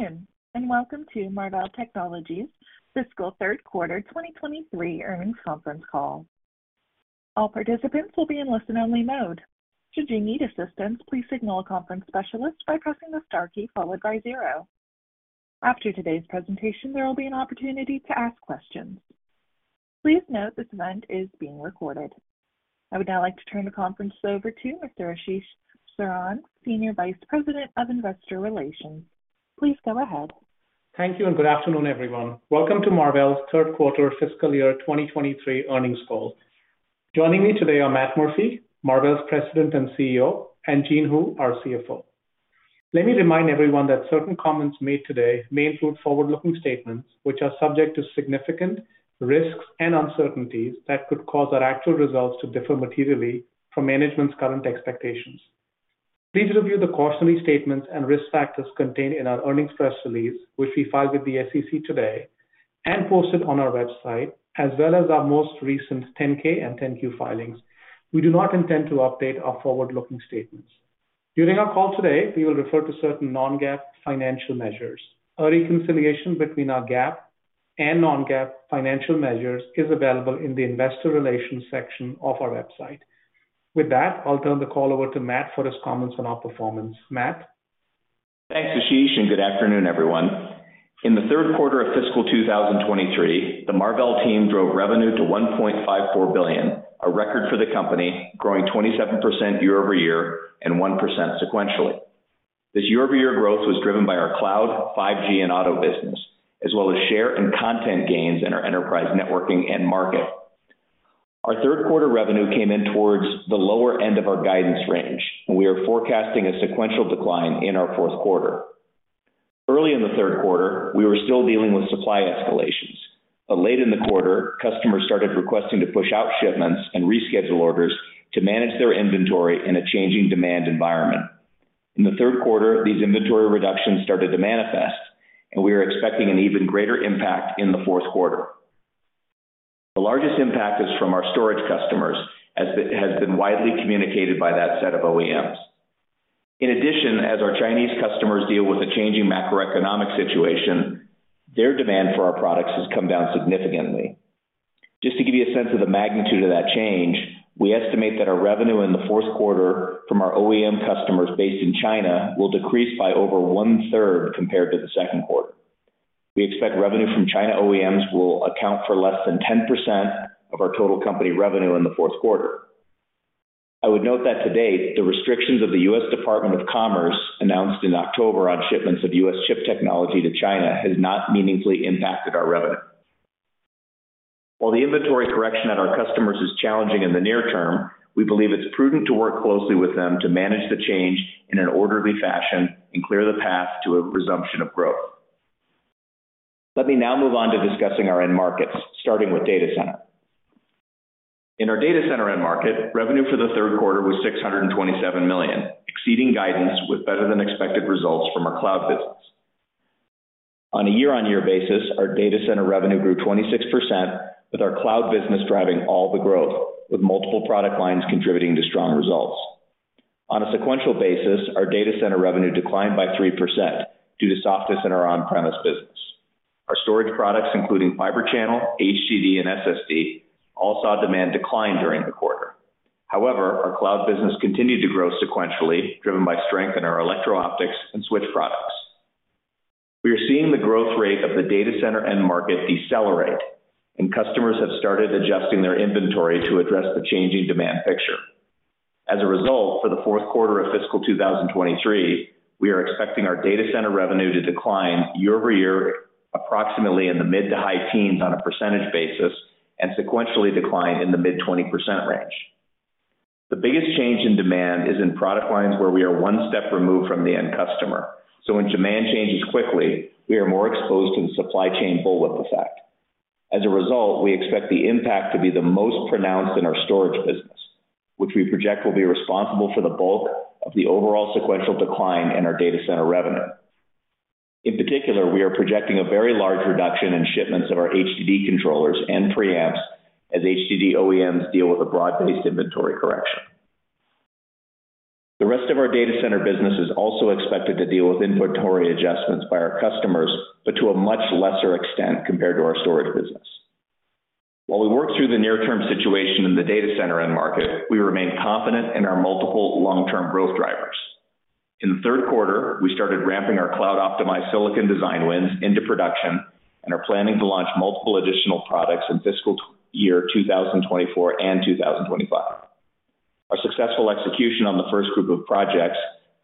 Good afternoon, welcome to Marvell Technology Fiscal Third Quarter 2023 Earnings Conference Call. All participants will be in listen-only mode. Should you need assistance, please signal a conference specialist by pressing the star key followed by zero. After today's presentation, there will be an opportunity to ask questions. Please note this event is being recorded. I would now like to turn the conference over to Mr. Ashish Saran, Senior Vice President of Investor Relations. Please go ahead. Thank you, good afternoon, everyone. Welcome to Marvell's third quarter fiscal year 2023 earnings call. Joining me today are Matt Murphy, Marvell's President and CEO, and Jean Hu, our CFO. Let me remind everyone that certain comments made today may include forward-looking statements which are subject to significant risks and uncertainties that could cause our actual results to differ materially from management's current expectations. Please review the quarterly statements and risk factors contained in our earnings press release, which we filed with the SEC today and posted on our website, as well as our most recent 10-K and 10-Q filings. We do not intend to update our forward-looking statements. During our call today, we will refer to certain non-GAAP financial measures. A reconciliation between our GAAP and non-GAAP financial measures is available in the investor relations section of our website. With that, I'll turn the call over to Matt for his comments on our performance. Matt? Thanks, Ashish. Good afternoon, everyone. In the third quarter of fiscal 2023, the Marvell team drove revenue to $1.54 billion, a record for the company, growing 27% year-over-year and 1% sequentially. This year-over-year growth was driven by our cloud, 5G and auto business, as well as share and content gains in our enterprise networking end market. Our third quarter revenue came in towards the lower end of our guidance range, and we are forecasting a sequential decline in our fourth quarter. Early in the third quarter, we were still dealing with supply escalations. Late in the quarter, customers started requesting to push out shipments and reschedule orders to manage their inventory in a changing demand environment. In the 3rd quarter, these inventory reductions started to manifest. We are expecting an even greater impact in the 4th quarter. The largest impact is from our storage customers, as has been widely communicated by that set of OEMs. In addition, as our Chinese customers deal with a changing macroeconomic situation, their demand for our products has come down significantly. Just to give you a sense of the magnitude of that change, we estimate that our revenue in the 4th quarter from our OEM customers based in China will decrease by over one-third compared to the 2nd quarter. We expect revenue from China OEMs will account for less than 10% of our total company revenue in the 4th quarter. I would note that to date, the restrictions of the U.S. Department of Commerce announced in October on shipments of U.S. chip technology to China has not meaningfully impacted our revenue. While the inventory correction at our customers is challenging in the near term, we believe it's prudent to work closely with them to manage the change in an orderly fashion and clear the path to a resumption of growth. Let me now move on to discussing our end markets, starting with data center. In our data center end market, revenue for the third quarter was $627 million, exceeding guidance with better than expected results from our cloud business. On a year-over-year basis, our data center revenue grew 26%, with our cloud business driving all the growth, with multiple product lines contributing to strong results. On a sequential basis, our data center revenue declined by 3% due to softness in our on-premise business. Our storage products, including Fibre Channel, HDD, and SSD, all saw demand decline during the quarter. However, our cloud business continued to grow sequentially, driven by strength in our electro-optics and switch products. We are seeing the growth rate of the data center end market decelerate. Customers have started adjusting their inventory to address the changing demand picture. As a result, for the fourth quarter of fiscal 2023, we are expecting our data center revenue to decline year-over-year approximately in the mid-to-high teens on a percentage basis and sequentially decline in the mid-20% range. The biggest change in demand is in product lines where we are one step removed from the end customer. When demand changes quickly, we are more exposed to the supply chain bullwhip effect. As a result, we expect the impact to be the most pronounced in our storage business, which we project will be responsible for the bulk of the overall sequential decline in our data center revenue. In particular, we are projecting a very large reduction in shipments of our HDD controllers and preamps as HDD OEMs deal with a broad-based inventory correction. The rest of our data center business is also expected to deal with inventory adjustments by our customers, but to a much lesser extent compared to our storage business. While we work through the near term situation in the data center end market, we remain confident in our multiple long-term growth drivers. In the third quarter, we started ramping our cloud optimized silicon design wins into production and are planning to launch multiple additional products in fiscal year 2024 and 2025. Our successful execution on the first group of projects,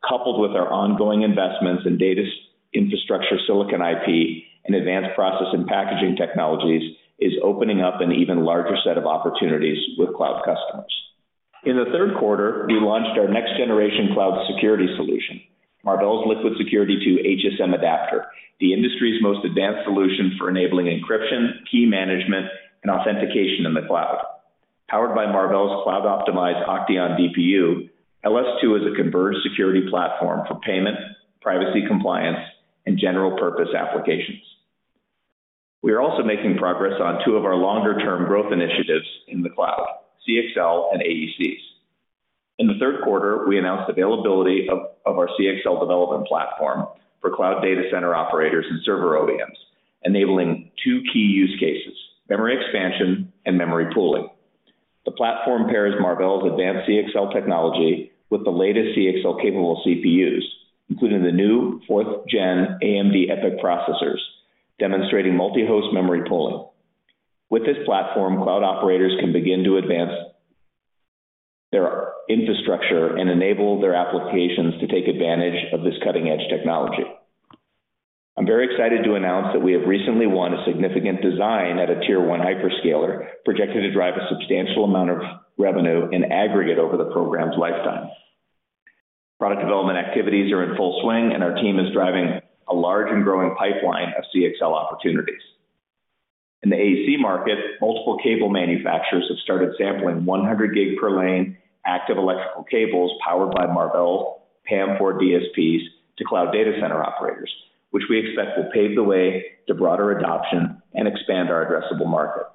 coupled with our ongoing investments in data infrastructure silicon IP and advanced process and packaging technologies, is opening up an even larger set of opportunities with cloud customers. In the third quarter, we launched our next generation cloud security solution, Marvell's LiquidSecurity 2 HSM adapter, the industry's most advanced solution for enabling encryption, key management, and authentication in the cloud. Powered by Marvell's cloud optimized OCTEON DPU, LS2 is a converged security platform for payment, privacy compliance, and general purpose applications. We are also making progress on two of our longer term growth initiatives in the cloud, CXL and AEC. In the third quarter, we announced availability of our CXL development platform for cloud data center operators and server ODMs, enabling two key use cases: memory expansion and memory pooling. The platform pairs Marvell's advanced CXL technology with the latest CXL capable CPUs, including the new 4th-gen AMD EPYC processors, demonstrating multi-host memory pooling. With this platform, cloud operators can begin to advance their infrastructure and enable their applications to take advantage of this cutting-edge technology. I'm very excited to announce that we have recently won a significant design at a tier one hyperscaler, projected to drive a substantial amount of revenue in aggregate over the program's lifetime. Product development activities are in full swing. Our team is driving a large and growing pipeline of CXL opportunities. In the AEC market, multiple cable manufacturers have started sampling 100Gb per lane active electrical cables powered by Marvell PAM4 DSPs to cloud data center operators, which we expect will pave the way to broader adoption and expand our addressable market.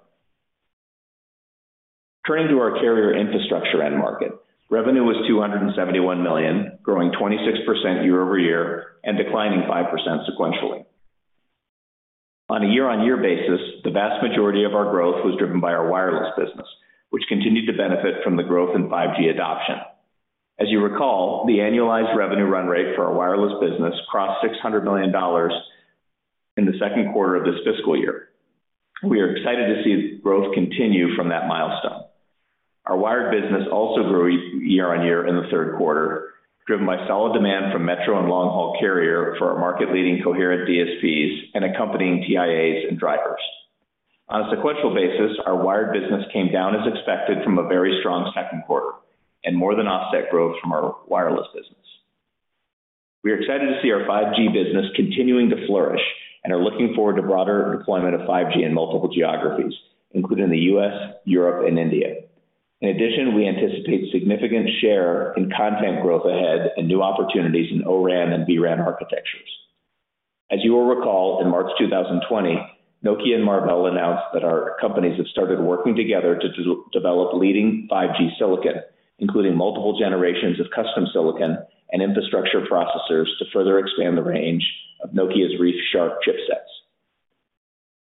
Turning to our carrier infrastructure end market. Revenue was $271 million, growing 26% year-over-year and declining 5% sequentially. On a year-on-year basis, the vast majority of our growth was driven by our wireless business, which continued to benefit from the growth in 5G adoption. As you recall, the annualized revenue run rate for our wireless business crossed $600 million in the second quarter of this fiscal year. We are excited to see growth continue from that milestone. Our wired business also grew year-on-year in the third quarter, driven by solid demand from metro and long haul carrier for our market-leading coherent DSPs and accompanying TIAs and drivers. On a sequential basis, our wired business came down as expected from a very strong second quarter and more than offset growth from our wireless business. We are excited to see our 5G business continuing to flourish, and are looking forward to broader deployment of 5G in multiple geographies, including the U.S., Europe and India. In addition, we anticipate significant share in content growth ahead and new opportunities in O-RAN and V-RAN architectures. As you will recall, in March 2020, Nokia and Marvell announced that our companies have started working together to develop leading 5G silicon, including multiple generations of custom silicon and infrastructure processors to further expand the range of Nokia's ReefShark chipsets.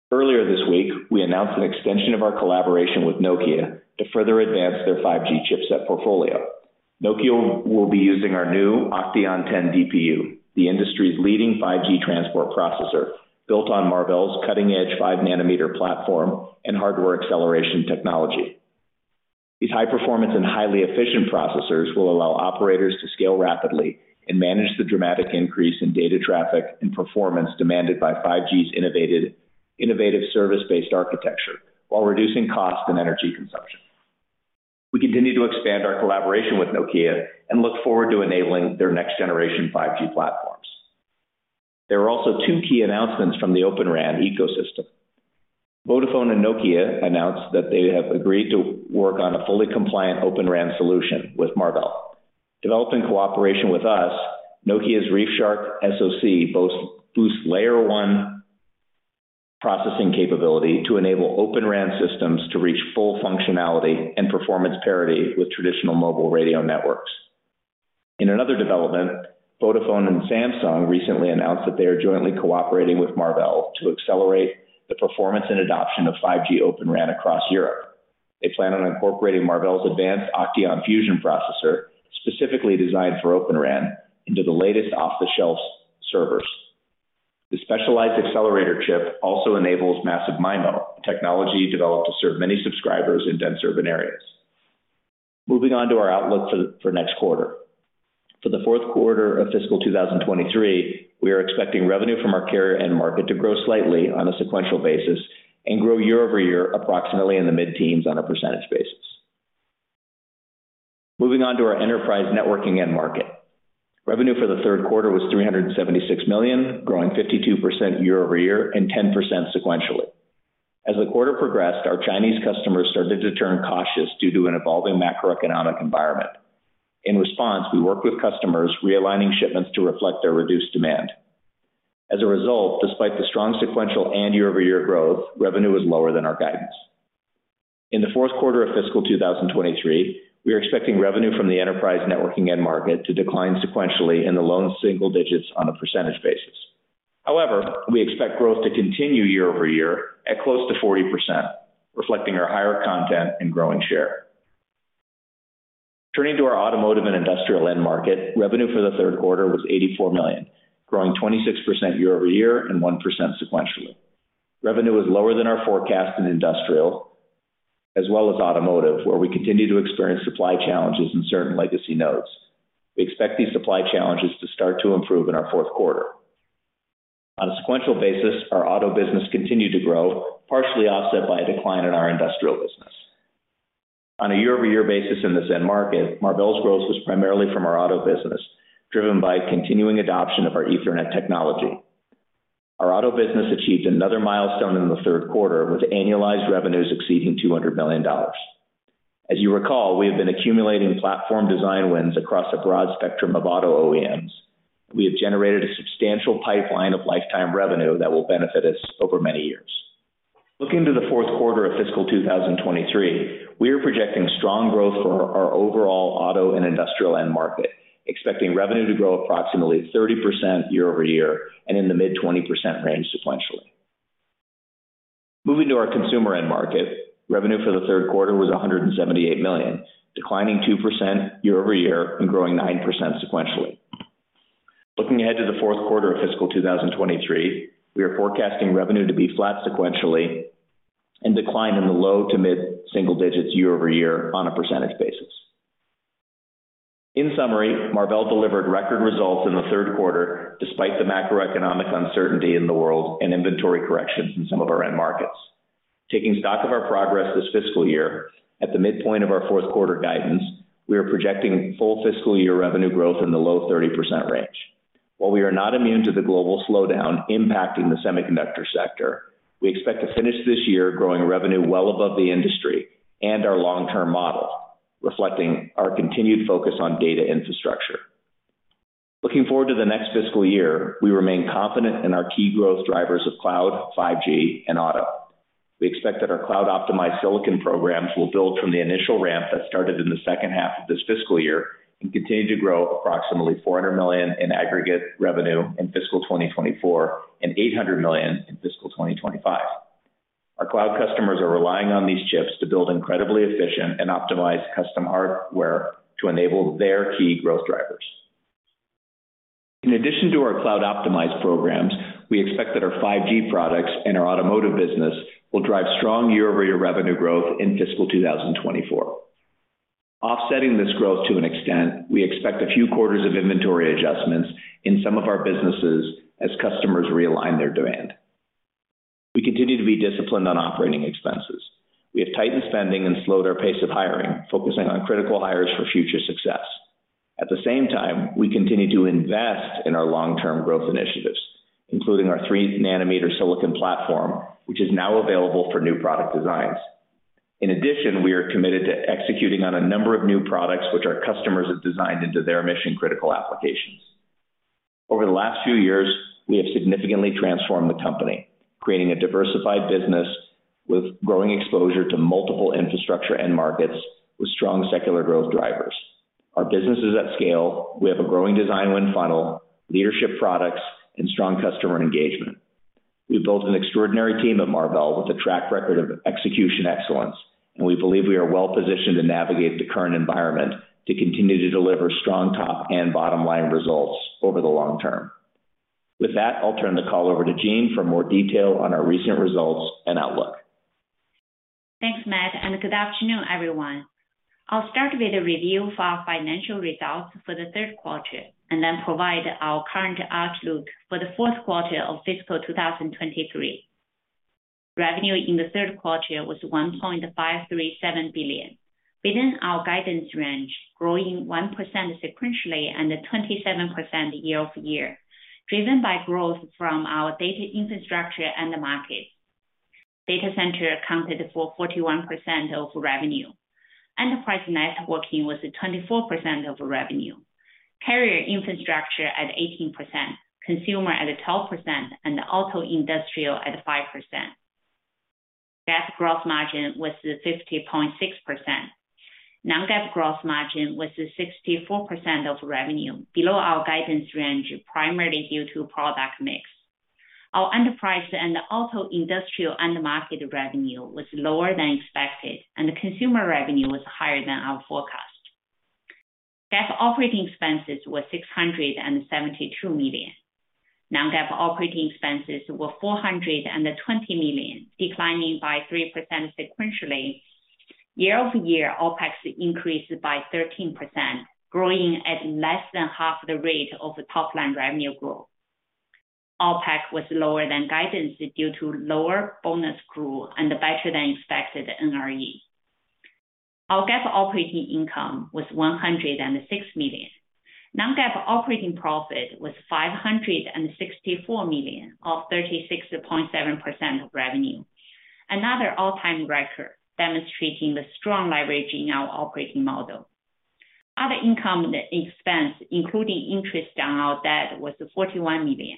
Earlier this week, we announced an extension of our collaboration with Nokia to further advance their 5G chipset portfolio. Nokia will be using our new OCTEON 10 DPU, the industry's leading 5G transport processor, built on Marvell's cutting edge 5 nanometer platform and hardware acceleration technology. These high performance and highly efficient processors will allow operators to scale rapidly and manage the dramatic increase in data traffic and performance demanded by 5G's innovative service based architecture, while reducing cost and energy consumption. We continue to expand our collaboration with Nokia and look forward to enabling their next generation 5G platforms. There are also 2 key announcements from the Open RAN ecosystem. Vodafone and Nokia announced that they have agreed to work on a fully compliant Open RAN solution with Marvell. Developed in cooperation with us, Nokia's ReefShark SoC boasts layer one processing capability to enable Open RAN systems to reach full functionality and performance parity with traditional mobile radio networks. In another development, Vodafone and Samsung recently announced that they are jointly cooperating with Marvell to accelerate the performance and adoption of 5G Open RAN across Europe. They plan on incorporating Marvell's advanced OCTEON Fusion processor, specifically designed for Open RAN, into the latest off-the-shelf servers. The specialized accelerator chip also enables Massive MIMO, a technology developed to serve many subscribers in dense urban areas. Moving on to our outlook for next quarter. For the fourth quarter of fiscal 2023, we are expecting revenue from our carrier end market to grow slightly on a sequential basis and grow year-over-year approximately in the mid-teens on a percentage basis. Moving on to our enterprise networking end market. Revenue for the third quarter was $376 million, growing 52% year over year and 10% sequentially. As the quarter progressed, our Chinese customers started to turn cautious due to an evolving macroeconomic environment. In response, we worked with customers realigning shipments to reflect their reduced demand. As a result, despite the strong sequential and year-over-year growth, revenue was lower than our guidance. In the fourth quarter of fiscal 2023, we are expecting revenue from the enterprise networking end market to decline sequentially in the low single digits on a percentage basis. However, we expect growth to continue year over year at close to 40%, reflecting our higher content and growing share. Turning to our automotive and industrial end market, revenue for the third quarter was $84 million, growing 26% year-over-year and 1% sequentially. Revenue was lower than our forecast in industrial as well as automotive, where we continue to experience supply challenges in certain legacy nodes. We expect these supply challenges to start to improve in our fourth quarter. On a sequential basis, our auto business continued to grow, partially offset by a decline in our industrial business. On a year-over-year basis in this end market, Marvell's growth was primarily from our auto business, driven by continuing adoption of our Ethernet technology. Our auto business achieved another milestone in the third quarter, with annualized revenues exceeding $200 million. As you recall, we have been accumulating platform design wins across a broad spectrum of auto OEMs. We have generated a substantial pipeline of lifetime revenue that will benefit us over many years. Looking to the fourth quarter of fiscal 2023, we are projecting strong growth for our overall auto and industrial end market, expecting revenue to grow approximately 30% year-over-year and in the mid 20% range sequentially. Moving to our consumer end market, revenue for the third quarter was $178 million, declining 2% year-over-year and growing 9% sequentially. Looking ahead to the fourth quarter of fiscal 2023, we are forecasting revenue to be flat sequentially and decline in the low to mid single digits year-over-year on a percentage basis. In summary, Marvell delivered record results in the third quarter despite the macroeconomic uncertainty in the world and inventory corrections in some of our end markets. Taking stock of our progress this fiscal year, at the midpoint of our fourth quarter guidance, we are projecting full fiscal year revenue growth in the low 30% range. While we are not immune to the global slowdown impacting the semiconductor sector, we expect to finish this year growing revenue well above the industry and our long-term model, reflecting our continued focus on data infrastructure. Looking forward to the next fiscal year, we remain confident in our key growth drivers of cloud, 5G and auto. We expect that our cloud optimized silicon programs will build from the initial ramp that started in the H2 of this fiscal year and continue to grow approximately $400 million in aggregate revenue in fiscal 2024 and $800 million in fiscal 2025. Our cloud customers are relying on these chips to build incredibly efficient and optimized custom hardware to enable their key growth drivers. In addition to our cloud optimized programs, we expect that our 5G products and our automotive business will drive strong year-over-year revenue growth in fiscal 2024. Offsetting this growth to an extent, we expect a few quarters of inventory adjustments in some of our businesses as customers realign their demand. We continue to be disciplined on operating expenses. We have tightened spending and slowed our pace of hiring, focusing on critical hires for future success. At the same time, we continue to invest in our long-term growth initiatives, including our 3 nm silicon platform, which is now available for new product designs. We are committed to executing on a number of new products which our customers have designed into their mission-critical applications. Over the last few years, we have significantly transformed the company, creating a diversified business with growing exposure to multiple infrastructure end markets with strong secular growth drivers. Our business is at scale. We have a growing design win funnel, leadership products and strong customer engagement. We've built an extraordinary team at Marvell with a track record of execution excellence, we believe we are well positioned to navigate the current environment to continue to deliver strong top and bottom line results over the long term. With that, I'll turn the call over to Jean for more detail on our recent results and outlook. Thanks, Matt. Good afternoon, everyone. I'll start with a review of our financial results for the third quarter and then provide our current outlook for the fourth quarter of fiscal 2023. Revenue in the third quarter was $1.537 billion within our guidance range, growing 1% sequentially and 27% year-over-year, driven by growth from our data infrastructure and the market. Data center accounted for 41% of revenue. Enterprise networking was 24% of revenue, carrier infrastructure at 18%, consumer at 12% and auto industrial at 5%. GAAP gross margin was 50.6%. Non-GAAP gross margin was 64% of revenue below our guidance range, primarily due to product mix. Our enterprise and auto industrial end market revenue was lower than expected and consumer revenue was higher than our forecast. GAAP operating expenses were $672 million. Non-GAAP operating expenses were $420 million, declining by 3% sequentially. Year-over-year, OpEx increased by 13%, growing at less than half the rate of top line revenue growth. OpEx was lower than guidance due to lower bonus growth and better than expected NRE. Our GAAP operating income was $106 million. Non-GAAP operating profit was $564 million, or 36.7% of revenue. Another all time record demonstrating the strong leverage in our operating model. Other income expense, including interest on our debt, was $41 million,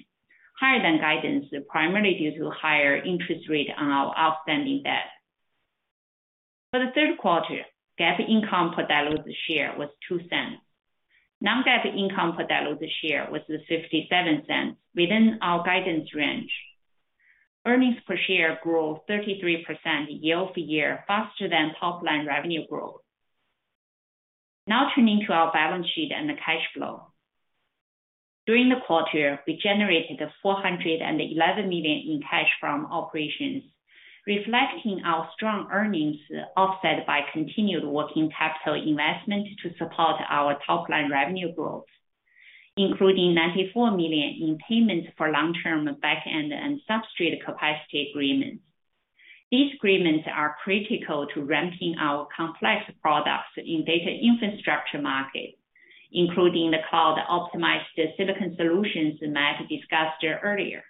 higher than guidance, primarily due to higher interest rate on our outstanding debt. For the third quarter, GAAP income per diluted share was $0.02. Non-GAAP income per diluted share was $0.57 within our guidance range. Earnings per share grew 33% year-over-year faster than top line revenue growth. Turning to our balance sheet and the cash flow. During the quarter, we generated $411 million in cash from operations, reflecting our strong earnings, offset by continued working capital investment to support our top line revenue growth, including $94 million in payments for long-term back end and substrate capacity agreements. These agreements are critical to ramping our complex products in data infrastructure market, including the cloud optimized silicon solutions Matt discussed earlier.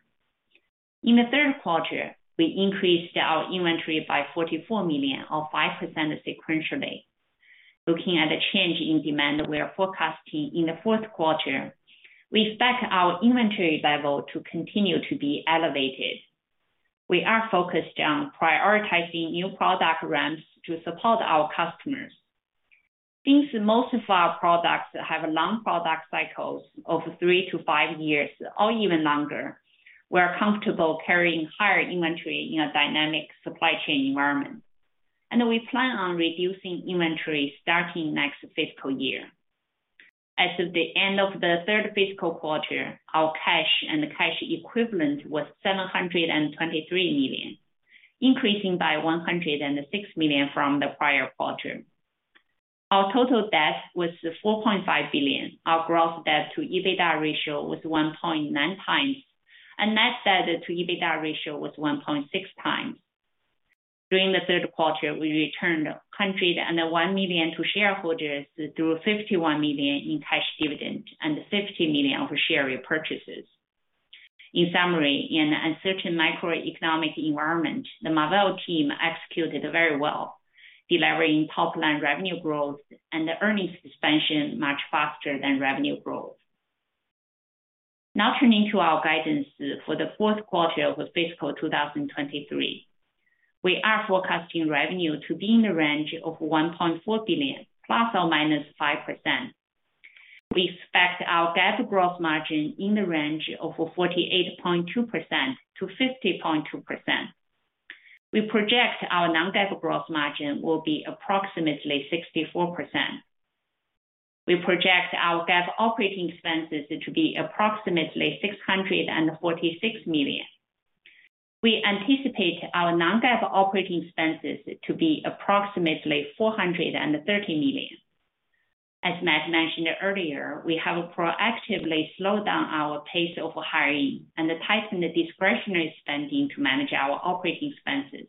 In the third quarter, we increased our inventory by $44 million or 5% sequentially. Looking at the change in demand we are forecasting in the fourth quarter, we expect our inventory level to continue to be elevated. We are focused on prioritizing new product ramps to support our customers. Since most of our products have long product cycles of 3 to 5 years or even longer, we're comfortable carrying higher inventory in a dynamic supply chain environment. We plan on reducing inventory starting next fiscal year. As of the end of the third fiscal quarter, our cash and cash equivalent was $723 million, increasing by $106 million from the prior quarter. Our total debt was $4.5 billion. Our gross debt to EBITDA ratio was 1.9 times. Net debt to EBITDA ratio was 1.6 times. During the third quarter, we returned $101 million to shareholders through $51 million in cash dividends and $50 million of share repurchases. In summary, in an uncertain macroeconomic environment, the Marvell team executed very well, delivering top-line revenue growth and earnings expansion much faster than revenue growth. Now turning to our guidance for the fourth quarter of fiscal 2023. We are forecasting revenue to be in the range of $1.4 billion ±5%. We expect our GAAP gross margin in the range of 48.2%-50.2%. We project our non-GAAP gross margin will be approximately 64%. We project our GAAP operating expenses to be approximately $646 million. We anticipate our non-GAAP operating expenses to be approximately $430 million. As Matt mentioned earlier, we have proactively slowed down our pace of hiring and tightened the discretionary spending to manage our operating expenses.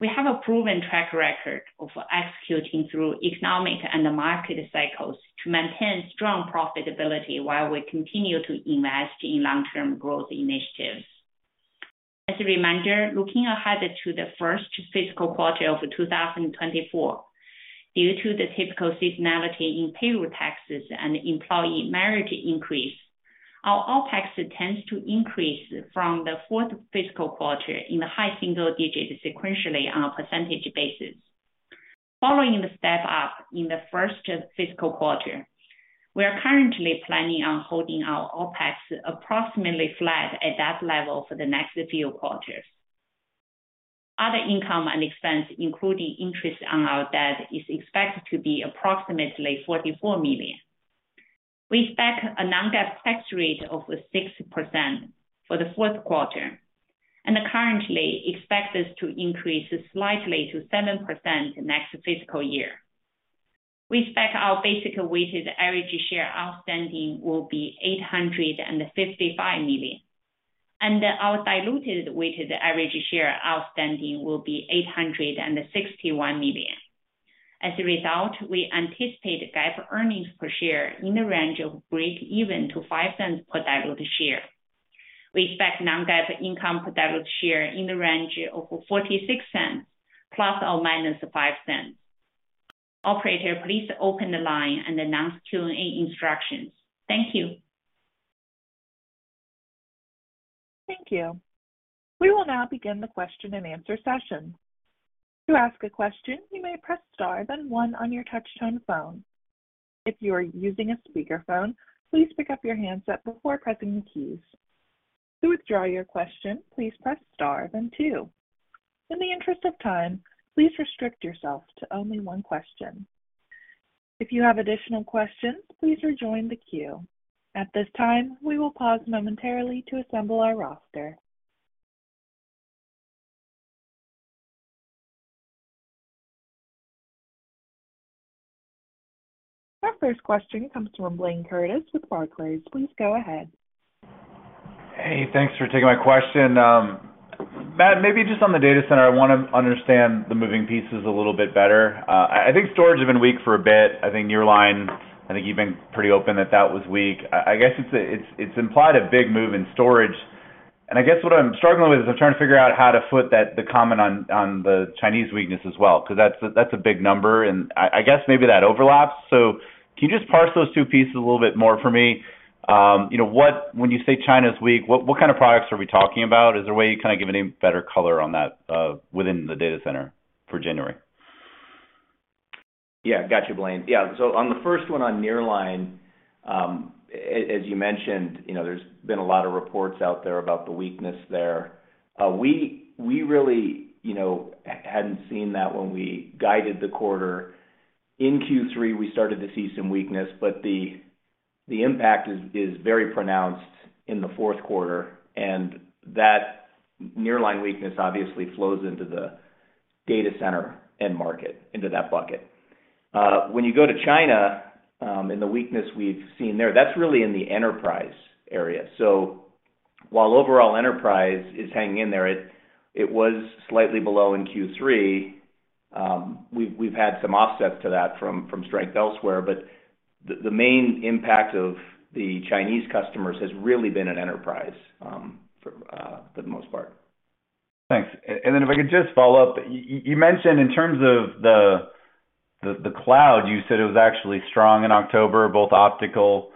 We have a proven track record of executing through economic and market cycles to maintain strong profitability while we continue to invest in long-term growth initiatives. As a reminder, looking ahead to the first fiscal quarter of 2024, due to the typical seasonality in payroll taxes and employee merit increase, our OpEx tends to increase from the fourth fiscal quarter in the high single digits sequentially on a percentage basis. Following the step-up in the first fiscal quarter, we are currently planning on holding our OpEx approximately flat at that level for the next few quarters. Other income and expense, including interest on our debt, is expected to be approximately $44 million. We expect a non-GAAP tax rate of 6% for the fourth quarter and currently expect this to increase slightly to 7% next fiscal year. We expect our basic weighted average share outstanding will be 855 million, and our diluted weighted average share outstanding will be 861 million. As a result, we anticipate GAAP earnings per share in the range of breakeven to $0.05 per diluted share. We expect non-GAAP income per diluted share in the range of $0.46 ± $0.05. Operator, please open the line and announce Q&A instructions. Thank you. Thank you. We will now begin the question-and-answer session. To ask a question, you may press star then one on your touch-tone phone. If you are using a speakerphone, please pick up your handset before pressing the keys. To withdraw your question, please press star then two. In the interest of time, please restrict yourself to only one question. If you have additional questions, please rejoin the queue. At this time, we will pause momentarily to assemble our roster. Our first question comes from Blayne Curtis with Barclays. Please go ahead. Hey, thanks for taking my question. Matt, maybe just on the data center, I wanna understand the moving pieces a little bit better. I think storage has been weak for a bit. I think nearline, I think you've been pretty open that that was weak. I guess it's, it's implied a big move in storage. I guess what I'm struggling with is I'm trying to figure out how to foot that, the comment on the Chinese weakness as well, 'cause that's a, that's a big number and I guess maybe that overlaps. Can you just parse those two pieces a little bit more for me? you know, When you say China's weak, what kind of products are we talking about? Is there a way you kinda give any better color on that, within the data center for January? Got you, Blayne. Yeah. On the first one on nearline, as you mentioned, you know, there's been a lot of reports out there about the weakness there. We really, you know, hadn't seen that when we guided the quarter. In Q3, we started to see some weakness, but the impact is very pronounced in the fourth quarter, and that nearline weakness obviously flows into the data center end market, into that bucket. When you go to China, and the weakness we've seen there, that's really in the enterprise area. While overall enterprise is hanging in there, it was slightly below in Q3. We've had some offsets to that from strength elsewhere, but the main impact of the Chinese customers has really been in enterprise for the most part. Thanks. Then if I could just follow up. You, you mentioned in terms of the cloud, you said it was actually strong in October, both optical,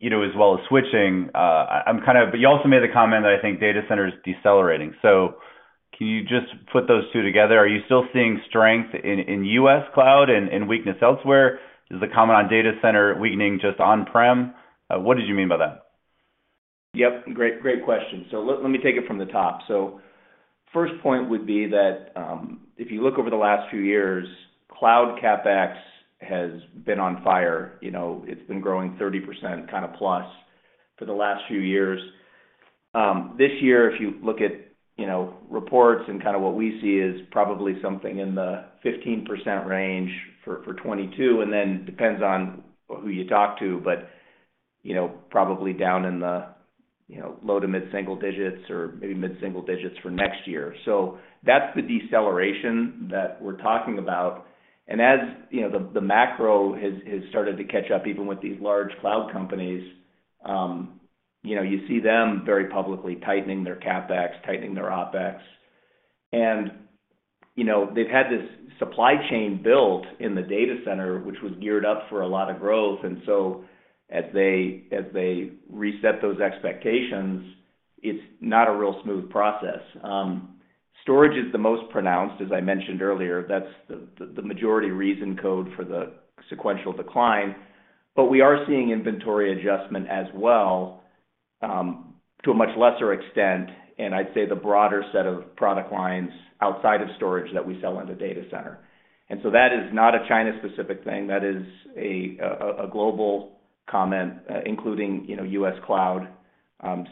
you know, as well as switching. You also made the comment that I think data center is decelerating. Can you just put those two together? Are you still seeing strength in U.S. cloud and weakness elsewhere? Is the comment on data center weakening just on-prem? What did you mean by that? Yep, great question. Let me take it from the top. First point would be that, if you look over the last few years, cloud CapEx has been on fire. You know, it's been growing 30% kind of plus for the last few years. This year, if you look at, you know, reports and kind of what we see is probably something in the 15% range for 2022, and then depends on who you talk to, but, you know, probably down in the, you know, low to mid-single digits or maybe mid-single digits for next year. That's the deceleration that we're talking about. As, you know, the macro has started to catch up, even with these large cloud companies, you know, you see them very publicly tightening their CapEx, tightening their OpEx. You know, they've had this supply chain built in the data center, which was geared up for a lot of growth. As they reset those expectations, it's not a real smooth process. Storage is the most pronounced, as I mentioned earlier. That's the majority reason code for the sequential decline. We are seeing inventory adjustment as well, to a much lesser extent, and I'd say the broader set of product lines outside of storage that we sell in the data center. That is not a China-specific thing. That is a global comment, including, you know, US cloud,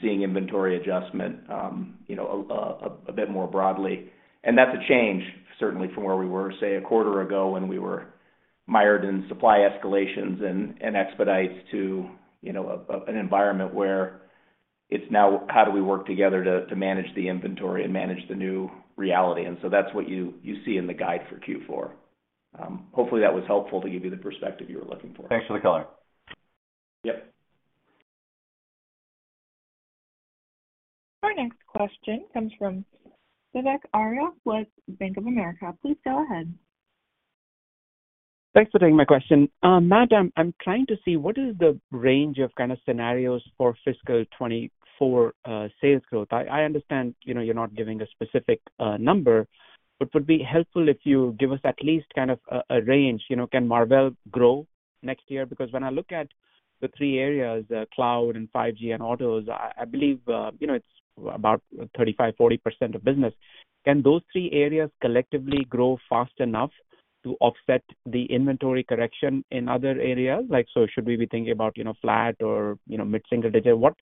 seeing inventory adjustment, you know, a bit more broadly. That's a change, certainly from where we were, say, a quarter ago when we were mired in supply escalations and expedites to, you know, an environment where it's now how do we work together to manage the inventory and manage the new reality. That's what you see in the guide for Q4. Hopefully that was helpful to give you the perspective you were looking for. Thanks for the color. Yep. Our next question comes from Vivek Arya with Bank of America. Please go ahead. Thanks for taking my question. Matt, I'm trying to see what is the range of kind of scenarios for fiscal 2024 sales growth. I understand, you know, you're not giving a specific number, but it would be helpful if you give us at least kind of a range. You know, can Marvell grow next year? When I look at the three areas, cloud and 5G and autos, I believe, you know, it's about 35%-40% of business. Can those three areas collectively grow fast enough to offset the inventory correction in other areas? Like, should we be thinking about, you know, flat or, you know, mid-single digit? What,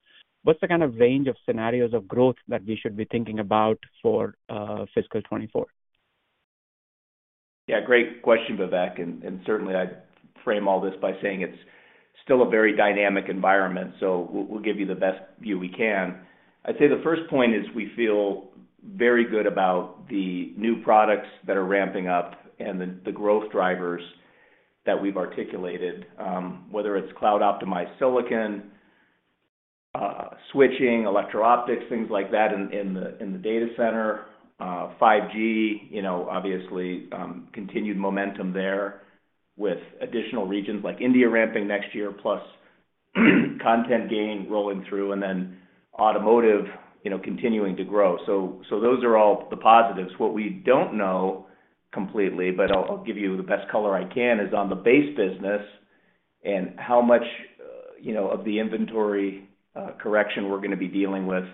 what's the kind of range of scenarios of growth that we should be thinking about for fiscal 2024? Great question, Vivek, and certainly I'd frame all this by saying it's still a very dynamic environment. We'll give you the best view we can. I'd say the first point is we feel very good about the new products that are ramping up and the growth drivers that we've articulated, whether it's cloud-optimized silicon, switching, electro-optics, things like that in the data center. 5G, you know, obviously, continued momentum there with additional regions like India ramping next year, plus content gain rolling through, and then automotive, you know, continuing to grow. Those are all the positives. What we don't know completely, but I'll give you the best color I can, is on the base business and how much, you know, of the inventory correction we're gonna be dealing with,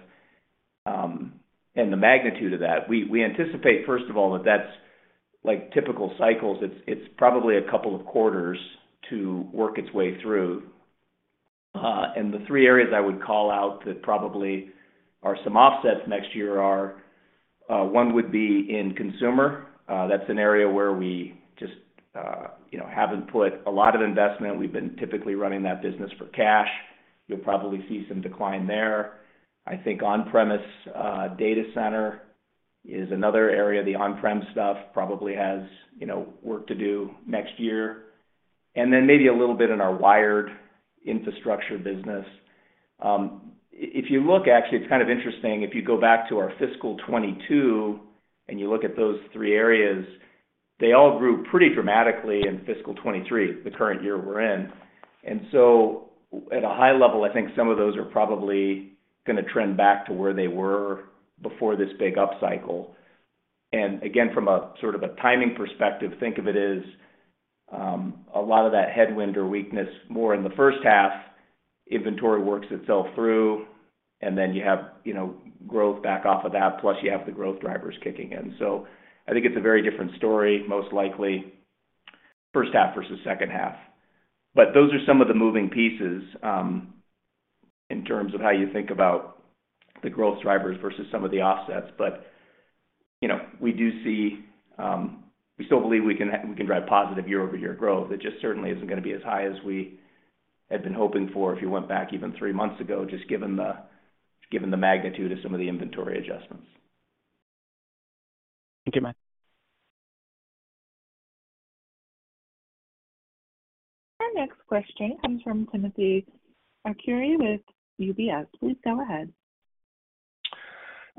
and the magnitude of that. We anticipate, first of all, that that's like typical cycles. It's probably a couple of quarters to work its way through. The three areas I would call out that probably are some offsets next year are, one would be in consumer. That's an area where we just, you know, haven't put a lot of investment. We've been typically running that business for cash. You'll probably see some decline there. I think on-premise data center is another area. The on-prem stuff probably has, you know, work to do next year. Then maybe a little bit in our wired infrastructure business. If you look, actually, it's kind of interesting. If you go back to our fiscal 2022 and you look at those three areas, they all grew pretty dramatically in fiscal 2023, the current year we're in. At a high level, I think some of those are probably gonna trend back to where they were before this big upcycle. Again, from a sort of a timing perspective, think of it as a lot of that headwind or weakness more in the H1, inventory works itself through, and then you have, you know, growth back off of that, plus you have the growth drivers kicking in. I think it's a very different story, most likely H1 versus H2. Those are some of the moving pieces in terms of how you think about the growth drivers versus some of the offsets. You know, we do see, we still believe we can drive positive year-over-year growth. It just certainly isn't gonna be as high as we had been hoping for if you went back even three months ago, just given the magnitude of some of the inventory adjustments. Thank you, Matt. Our next question comes from Timothy Arcuri with UBS. Please go ahead.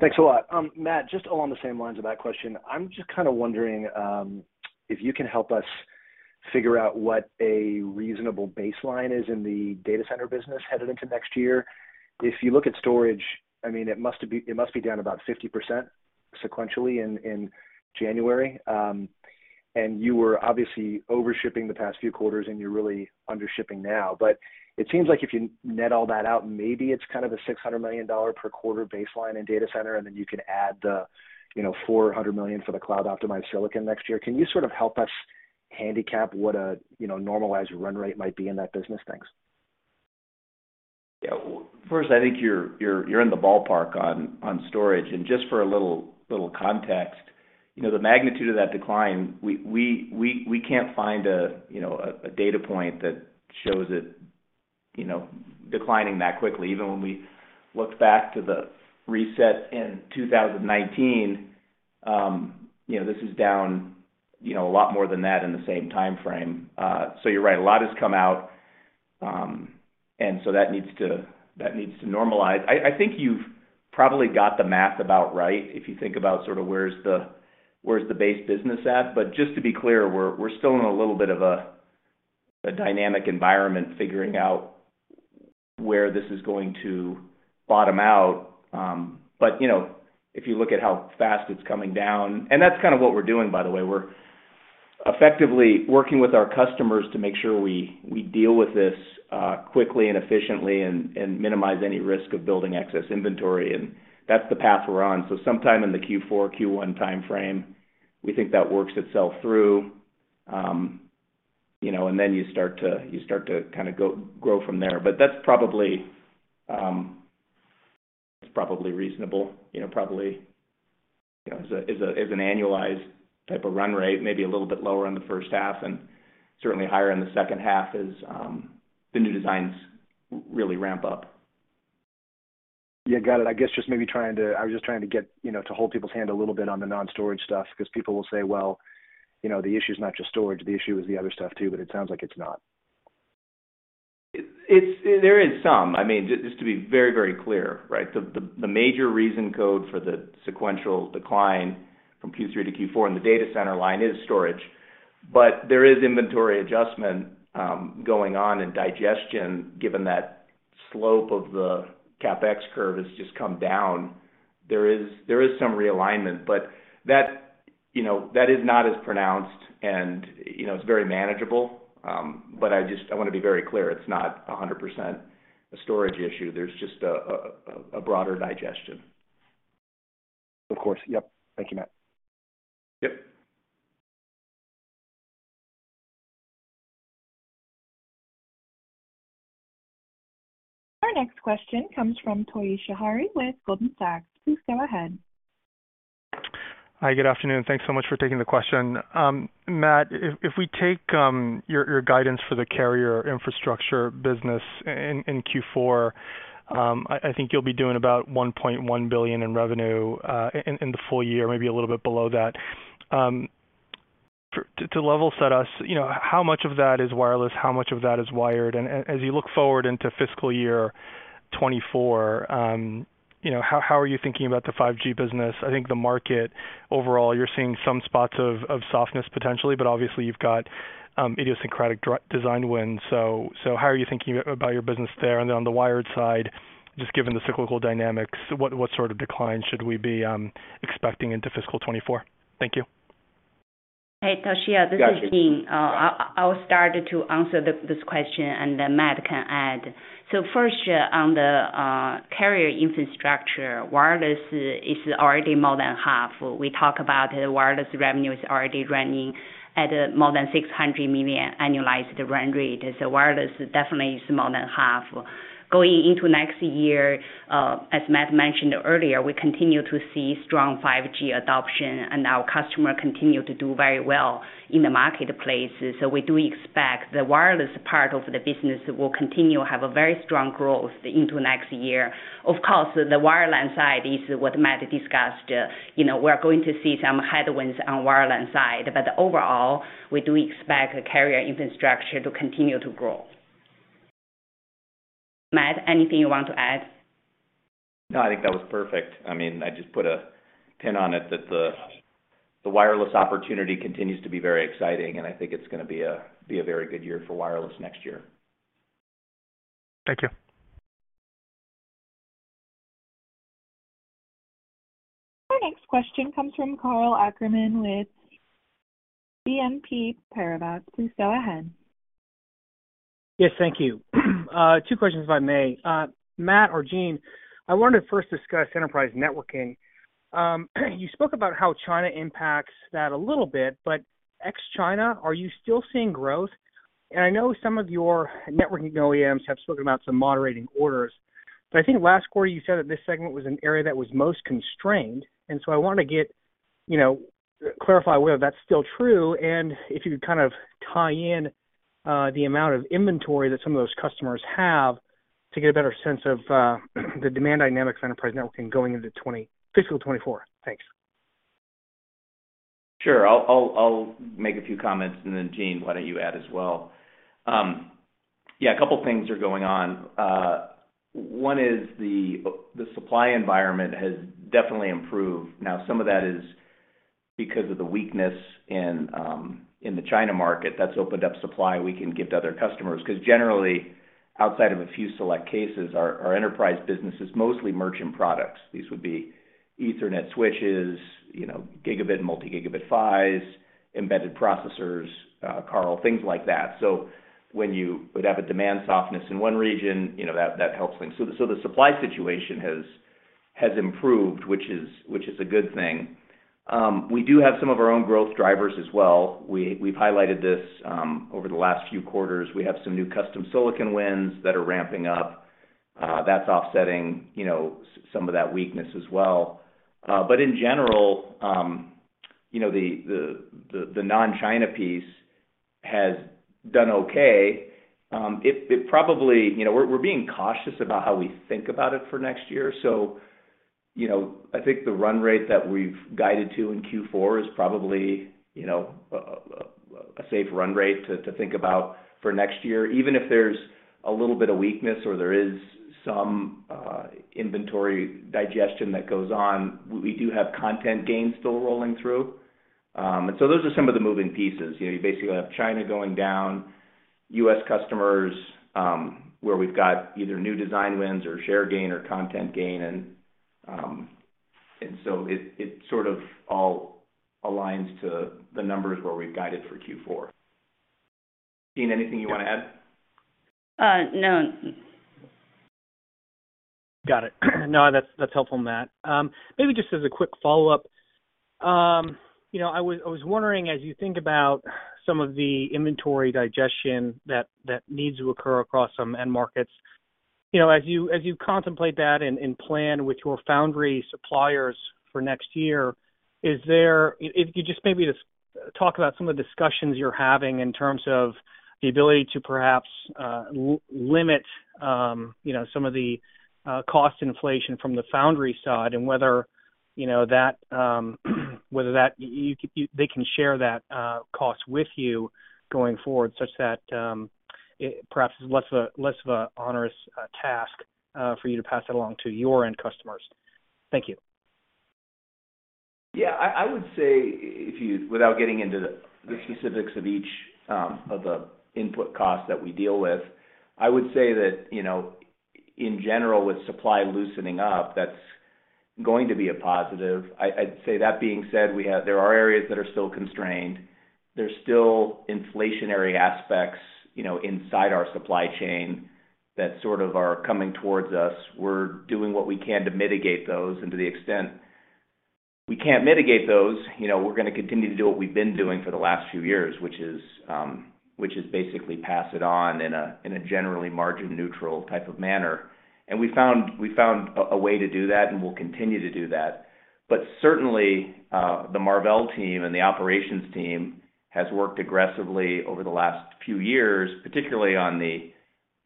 Thanks a lot. Matt, just along the same lines of that question, I'm just kinda wondering if you can help us figure out what a reasonable baseline is in the data center business headed into next year. If you look at storage, I mean, it must be down about 50% sequentially in January. You were obviously over-shipping the past few quarters and you're really under-shipping now. It seems like if you net all that out, maybe it's kind of a $600 million per quarter baseline in data center, and then you can add the, you know, $400 million for the cloud-optimized silicon next year. Can you sort of help us handicap what a, you know, normalized run rate might be in that business? Thanks. Yeah. First, I think you're in the ballpark on storage. Just for a little context, you know, the magnitude of that decline, we can't find a, you know, a data point that shows it, you know, declining that quickly. Even when we look back to the reset in 2019, you know, this is down, you know, a lot more than that in the same timeframe. You're right. A lot has come out, and so that needs to normalize. I think you've probably got the math about right, if you think about sort of where's the base business at. Just to be clear, we're still in a little bit of a dynamic environment, figuring out where this is going to bottom out. You know, if you look at how fast it's coming down. That's kind of what we're doing, by the way. We're effectively working with our customers to make sure we deal with this quickly and efficiently and minimize any risk of building excess inventory. That's the path we're on. Sometime in the Q4, Q1 timeframe, we think that works itself through, you know, and then you start to kinda grow from there. That's probably, it's probably reasonable, you know, probably, you know, as a, as an annualized type of run rate, maybe a little bit lower in the H1 and certainly higher in the H2 as the new designs really ramp up. Yeah. Got it. I guess just maybe I was just trying to get, you know, to hold people's hand a little bit on the non-storage stuff, 'cause people will say, "Well, you know, the issue is not just storage, the issue is the other stuff too," It sounds like it's not. There is some. I mean, just to be very, very clear, right. The major reason code for the sequential decline from Q3 to Q4 in the data center line is storage. There is inventory adjustment going on in digestion, given that slope of the CapEx curve has just come down. There is some realignment, that, you know, that is not as pronounced and, you know, it's very manageable. I wanna be very clear, it's not 100% a storage issue. There's just a broader digestion. Of course. Yep. Thank you, Matt. Yep. Our next question comes from Toshiya Hari with Goldman Sachs. Please go ahead. Hi, good afternoon. Thanks so much for taking the question. Matt, if we take your guidance for the carrier infrastructure business in Q4, I think you'll be doing about $1.1 billion in revenue in the full year, maybe a little bit below that. To level set us, you know, how much of that is wireless? How much of that is wired? As you look forward into fiscal year 2024, you know, how are you thinking about the 5G business? I think the market overall, you're seeing some spots of softness potentially, but obviously you've got idiosyncratic design wins. How are you thinking about your business there? On the wired side, just given the cyclical dynamics, what sort of decline should we be expecting into fiscal 2024? Thank you. Hey, Toshiya, this is Jean. I'll start to answer this question. Matt can add. First, on the carrier infrastructure, wireless is already more than half. We talk about the wireless revenue is already running at more than $600 million annualized run rate. Wireless definitely is more than half. Going into next year, as Matt mentioned earlier, we continue to see strong 5G adoption. Our customer continue to do very well in the marketplace. We do expect the wireless part of the business will continue to have a very strong growth into next year. Of course, the wireline side is what Matt discussed. You know, we're going to see some headwinds on wireline side. Overall, we do expect carrier infrastructure to continue to grow. Matt, anything you want to add? No, I think that was perfect. I mean, I just put a pin on it that the wireless opportunity continues to be very exciting, and I think it's gonna be a very good year for wireless next year. Thank you. Our next question comes from Karl Ackerman with BNP Paribas. Please go ahead. Yes, thank you. 2 questions, if I may. Matt or Jean, I wanted to first discuss enterprise networking. You spoke about how China impacts that a little bit. Ex-China, are you still seeing growth? I know some of your networking OEMs have spoken about some moderating orders. I think last quarter you said that this segment was an area that was most constrained. I wanted to get- You know, clarify whether that's still true, and if you could kind of tie in, the amount of inventory that some of those customers have to get a better sense of, the demand dynamics enterprise networking going into fiscal 2024. Thanks. Sure. I'll make a few comments, and then Jean, why don't you add as well. Yeah, a couple things are going on. One is the supply environment has definitely improved. Now, some of that is because of the weakness in the China market. That's opened up supply we can give to other customers 'cause, generally, outside of a few select cases, our enterprise business is mostly merchant products. These would be Ethernet switches, you know, gigabit, multi-gigabit PHYs, embedded processors, Karl, things like that. When you would have a demand softness in one region, you know, that helps things. The supply situation has improved, which is a good thing. We do have some of our own growth drivers as well. We've highlighted this over the last few quarters. We have some new custom silicon wins that are ramping up. that's offsetting, you know, some of that weakness as well. In general, you know, the non-China piece has done okay. You know, we're being cautious about how we think about it for next year, you know, I think the run rate that we've guided to in Q4 is probably, you know, a safe run rate to think about for next year. Even if there's a little bit of weakness or there is some inventory digestion that goes on, we do have content gains still rolling through. So those are some of the moving pieces. You know, you basically have China going down, US customers, where we've got either new design wins or share gain or content gain and so it sort of all aligns to the numbers where we've guided for Q4. Jean, anything you wanna add? No. Got it. No, that's helpful, Matt. Maybe just as a quick follow-up, you know, I was wondering as you think about some of the inventory digestion that needs to occur across some end markets, you know, as you contemplate that and plan with your foundry suppliers for next year. If you just maybe just talk about some of the discussions you're having in terms of the ability to perhaps limit, you know, some of the cost inflation from the foundry side and whether, you know, that, whether they can share that cost with you going forward such that it perhaps is less of a onerous task for you to pass that along to your end customers. Thank you. Yeah. I would say without getting into the specifics of each of the input costs that we deal with, I would say that, you know, in general, with supply loosening up, that's going to be a positive. I'd say that being said, there are areas that are still constrained. There's still inflationary aspects, you know, inside our supply chain that sort of are coming towards us. We're doing what we can to mitigate those, and to the extent we can't mitigate those, you know, we're gonna continue to do what we've been doing for the last few years, which is basically pass it on in a generally margin neutral type of manner. We found a way to do that, and we'll continue to do that. Certainly, the Marvell team and the operations team has worked aggressively over the last few years, particularly on the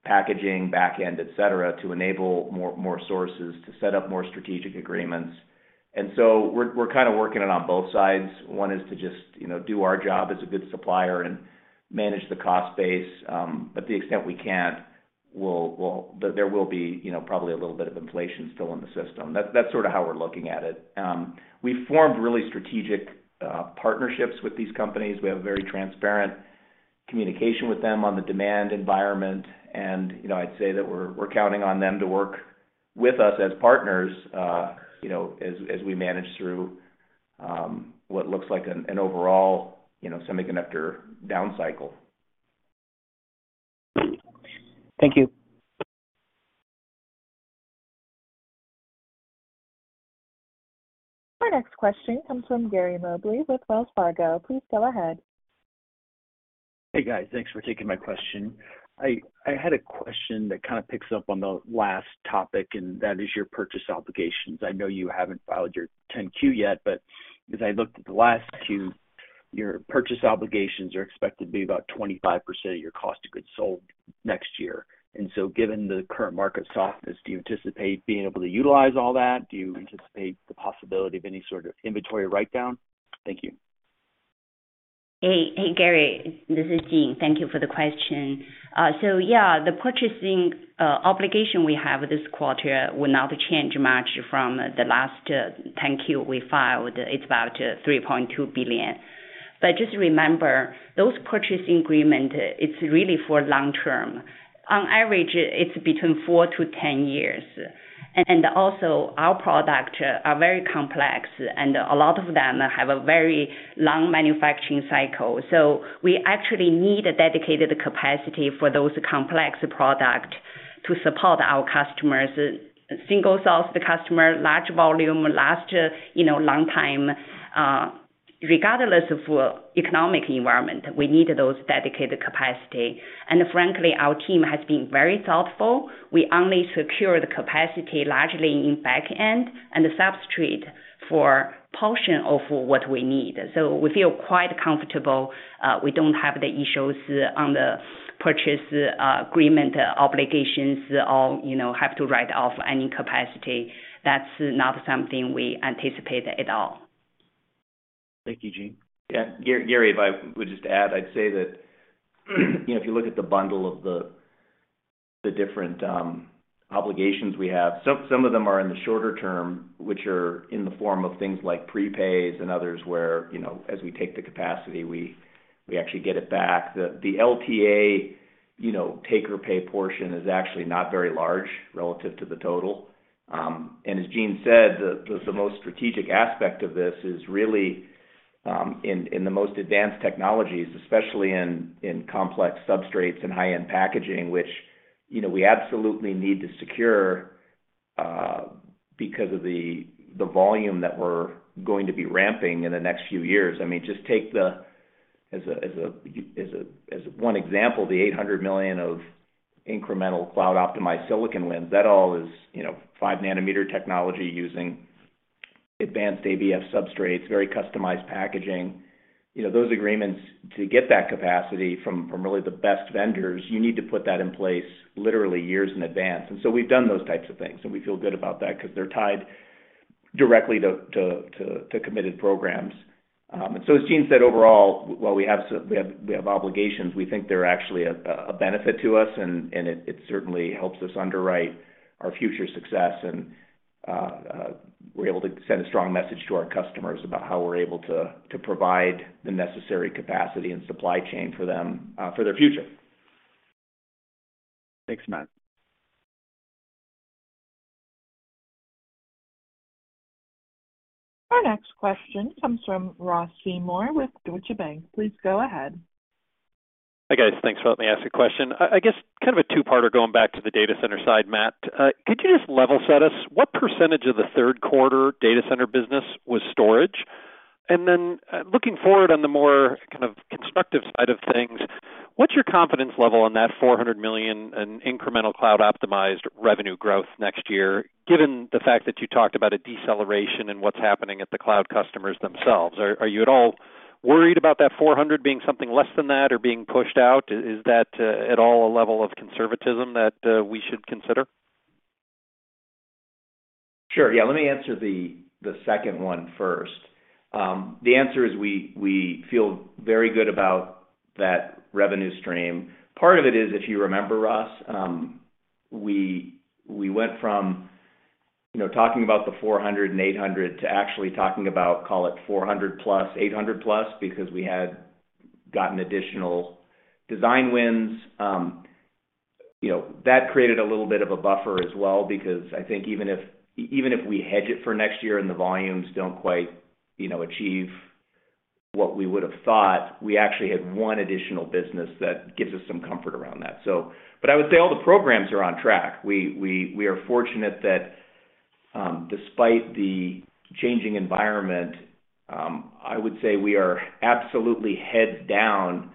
packaging back end, et cetera, to enable more sources to set up more strategic agreements. We're kinda working it on both sides. One is to just, you know, do our job as a good supplier and manage the cost base. The extent we can't, we'll there will be, you know, probably a little bit of inflation still in the system. That's sort of how we're looking at it. We've formed really strategic partnerships with these companies. We have a very transparent communication with them on the demand environment and, you know, I'd say that we're counting on them to work with us as partners, you know, as we manage through what looks like an overall, you know, semiconductor down cycle. Thank you. Our next question comes from Gary Mobley with Wells Fargo. Please go ahead. Hey, guys. Thanks for taking my question. I had a question that kind of picks up on the last topic, and that is your purchase obligations. I know you haven't filed your 10-Q yet, but as I looked at the last Q, your purchase obligations are expected to be about 25% of your cost of goods sold next year. Given the current market softness, do you anticipate being able to utilize all that? Do you anticipate the possibility of any sort of inventory write-down? Thank you. Hey. Hey Gary, this is Jean. Thank you for the question. Yeah, the purchasing obligation we have this quarter will not change much from the last 10-Q we filed. It's about $3.2 billion. Just remember, those purchasing agreement, it's really for long term. On average, it's between 4 to 10 years. Also our product are very complex, and a lot of them have a very long manufacturing cycle. We actually need a dedicated capacity for those complex product to support our customers. Single source the customer, large volume, last, you know, long time, regardless of economic environment, we need those dedicated capacity. Frankly, our team has been very thoughtful. We only secure the capacity largely in back end and the substrate for portion of what we need. We feel quite comfortable, we don't have the issues on the purchase agreement obligations or, you know, have to write off any capacity. That's not something we anticipate at all. Thank you, Jean. Gary, if I would just add, I'd say that, you know, if you look at the bundle of the different obligations we have, some of them are in the shorter term, which are in the form of things like prepays and others, where, you know, as we take the capacity, we actually get it back. The LTA, you know, take or pay portion is actually not very large relative to the total. As Jean said, the most strategic aspect of this is really in the most advanced technologies, especially in complex substrates and high-end packaging, which, you know, we absolutely need to secure because of the volume that we're going to be ramping in the next few years. I mean, just take the... As one example, the $800 million of incremental cloud optimized silicon wins, that all is, you know, 5 nm technology using advanced ABF substrates, very customized packaging. You know, those agreements to get that capacity from really the best vendors, you need to put that in place literally years in advance. We've done those types of things, and we feel good about that because they're tied directly to committed programs. As Jean said, overall, while we have obligations, we think they're actually a benefit to us and it certainly helps us underwrite our future success. We're able to send a strong message to our customers about how we're able to provide the necessary capacity and supply chain for them for their future. Thanks, Matt. Our next question comes from Ross Seymore with Deutsche Bank. Please go ahead. Hi, guys. Thanks for letting me ask a question. I guess kind of a two-parter going back to the data center side, Matt? Could you just level set us what percentage of the third quarter data center business was storage? Looking forward on the more kind of constructive side of things, what's your confidence level on that $400 million in incremental cloud optimized revenue growth next year, given the fact that you talked about a deceleration in what's happening at the cloud customers themselves? Are you at all worried about that $400 being something less than that or being pushed out? Is that, at all a level of conservatism that, we should consider? Sure. Yeah. Let me answer the second one first. The answer is we feel very good about that revenue stream. Part of it is, if you remember, Ross, we went from, you know, talking about the 400 and 800 to actually talking about call it 400+, 800+ because we had gotten additional design wins. you know, that created a little bit of a buffer as well, because I think even if we hedge it for next year and the volumes don't quite, you know, achieve what we would have thought, we actually had one additional business that gives us some comfort around that. But I would say all the programs are on track. We are fortunate that, despite the changing environment, I would say we are absolutely head down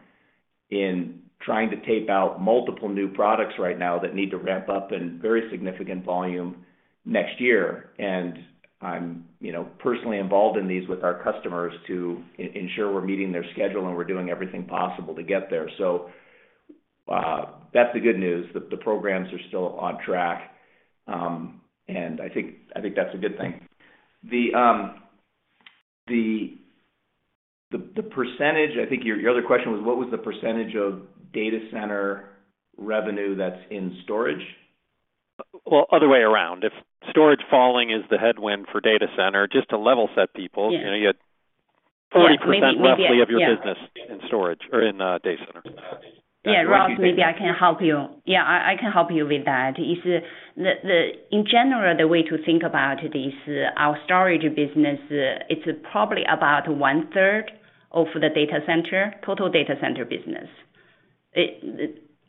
in trying to tape out multiple new products right now that need to ramp up in very significant volume next year. I'm, you know, personally involved in these with our customers to ensure we're meeting their schedule, and we're doing everything possible to get there. That's the good news. The programs are still on track, and I think that's a good thing. The percentage, I think your other question was what was the percentage of data center revenue that's in storage? Well, other way around. If storage falling is the headwind for data center, just to level set people... Yes. You know, you had 40%- Maybe, maybe, yeah.... roughly of your business in storage or in data center. Yeah, Ross, maybe I can help you. Yeah, I can help you with that. In general, the way to think about it is our storage business, it's probably about one-third of the data center, total data center business.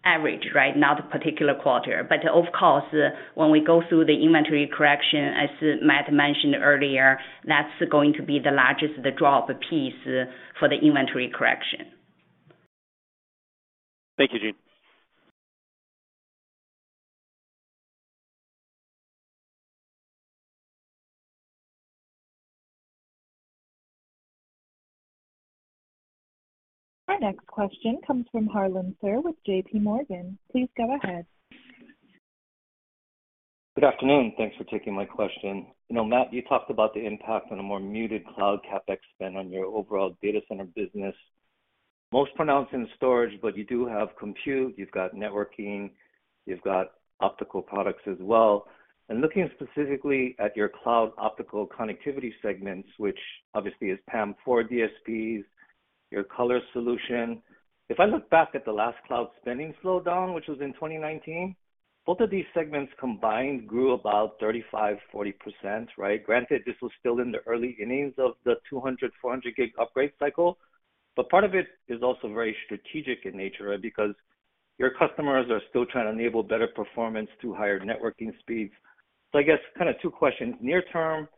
Average, right? Not particular quarter. Of course, when we go through the inventory correction, as Matt mentioned earlier, that's going to be the largest drop piece for the inventory correction. Thank you, Jean. Our next question comes from Harlan Sur with JPMorgan. Please go ahead. Good afternoon. Thanks for taking my question. You know, Matt, you talked about the impact on a more muted cloud CapEx spend on your overall data center business, most pronounced in storage, but you do have compute, you've got networking, you've got optical products as well. Looking specifically at your cloud optical connectivity segments, which obviously is PAM4 DSPs, your coherent solution. If I look back at the last cloud spending slowdown, which was in 2019, both of these segments combined grew about 35%-40%, right? Granted, this was still in the early innings of the 200, 400 Gb upgrade cycle. Part of it is also very strategic in nature, right? Because your customers are still trying to enable better performance through higher networking speeds. I guess kind of two questions. Near term,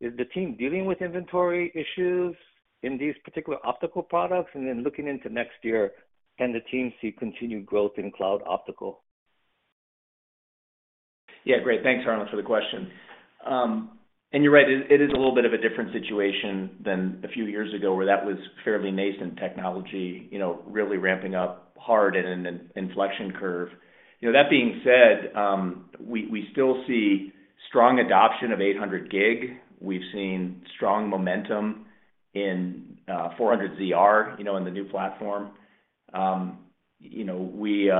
is the team dealing with inventory issues in these particular optical products? Looking into next year, can the team see continued growth in cloud optical? Yeah. Great. Thanks, Harlan, for the question. You're right. It is a little bit of a different situation than a few years ago, where that was fairly nascent technology, you know, really ramping up hard in an inflection curve. You know, that being said, we still see strong adoption of 800 Gb. We've seen strong momentum in 400 ZR, you know, in the new platform. You know, we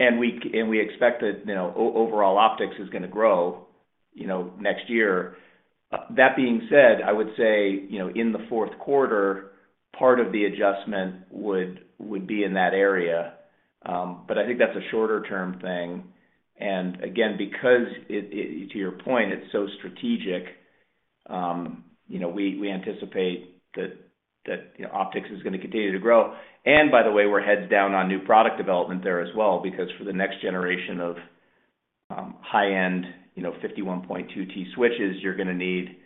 expect that, you know, overall optics is gonna grow, you know, next year. That being said, I would say, you know, in the fourth quarter, part of the adjustment would be in that area. I think that's a shorter term thing. Because it to your point, it's so strategic, you know, we anticipate that, you know, optics is gonna continue to grow. By the way, we're heads down on new product development there as well, because for the next generation of high-end, you know, 51.2T switches, you're gonna need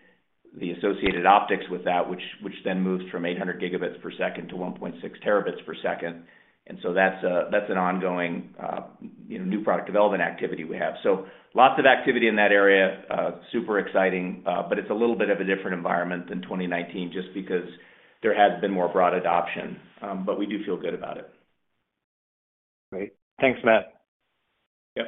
the associated optics with that, which then moves from 800Gb per second to 1.6 terabits per second. That's an ongoing, you know, new product development activity we have. Lots of activity in that area. Super exciting. It's a little bit of a different environment than 2019 just because there has been more broad adoption. We do feel good about it. Great. Thanks, Matt. Yep.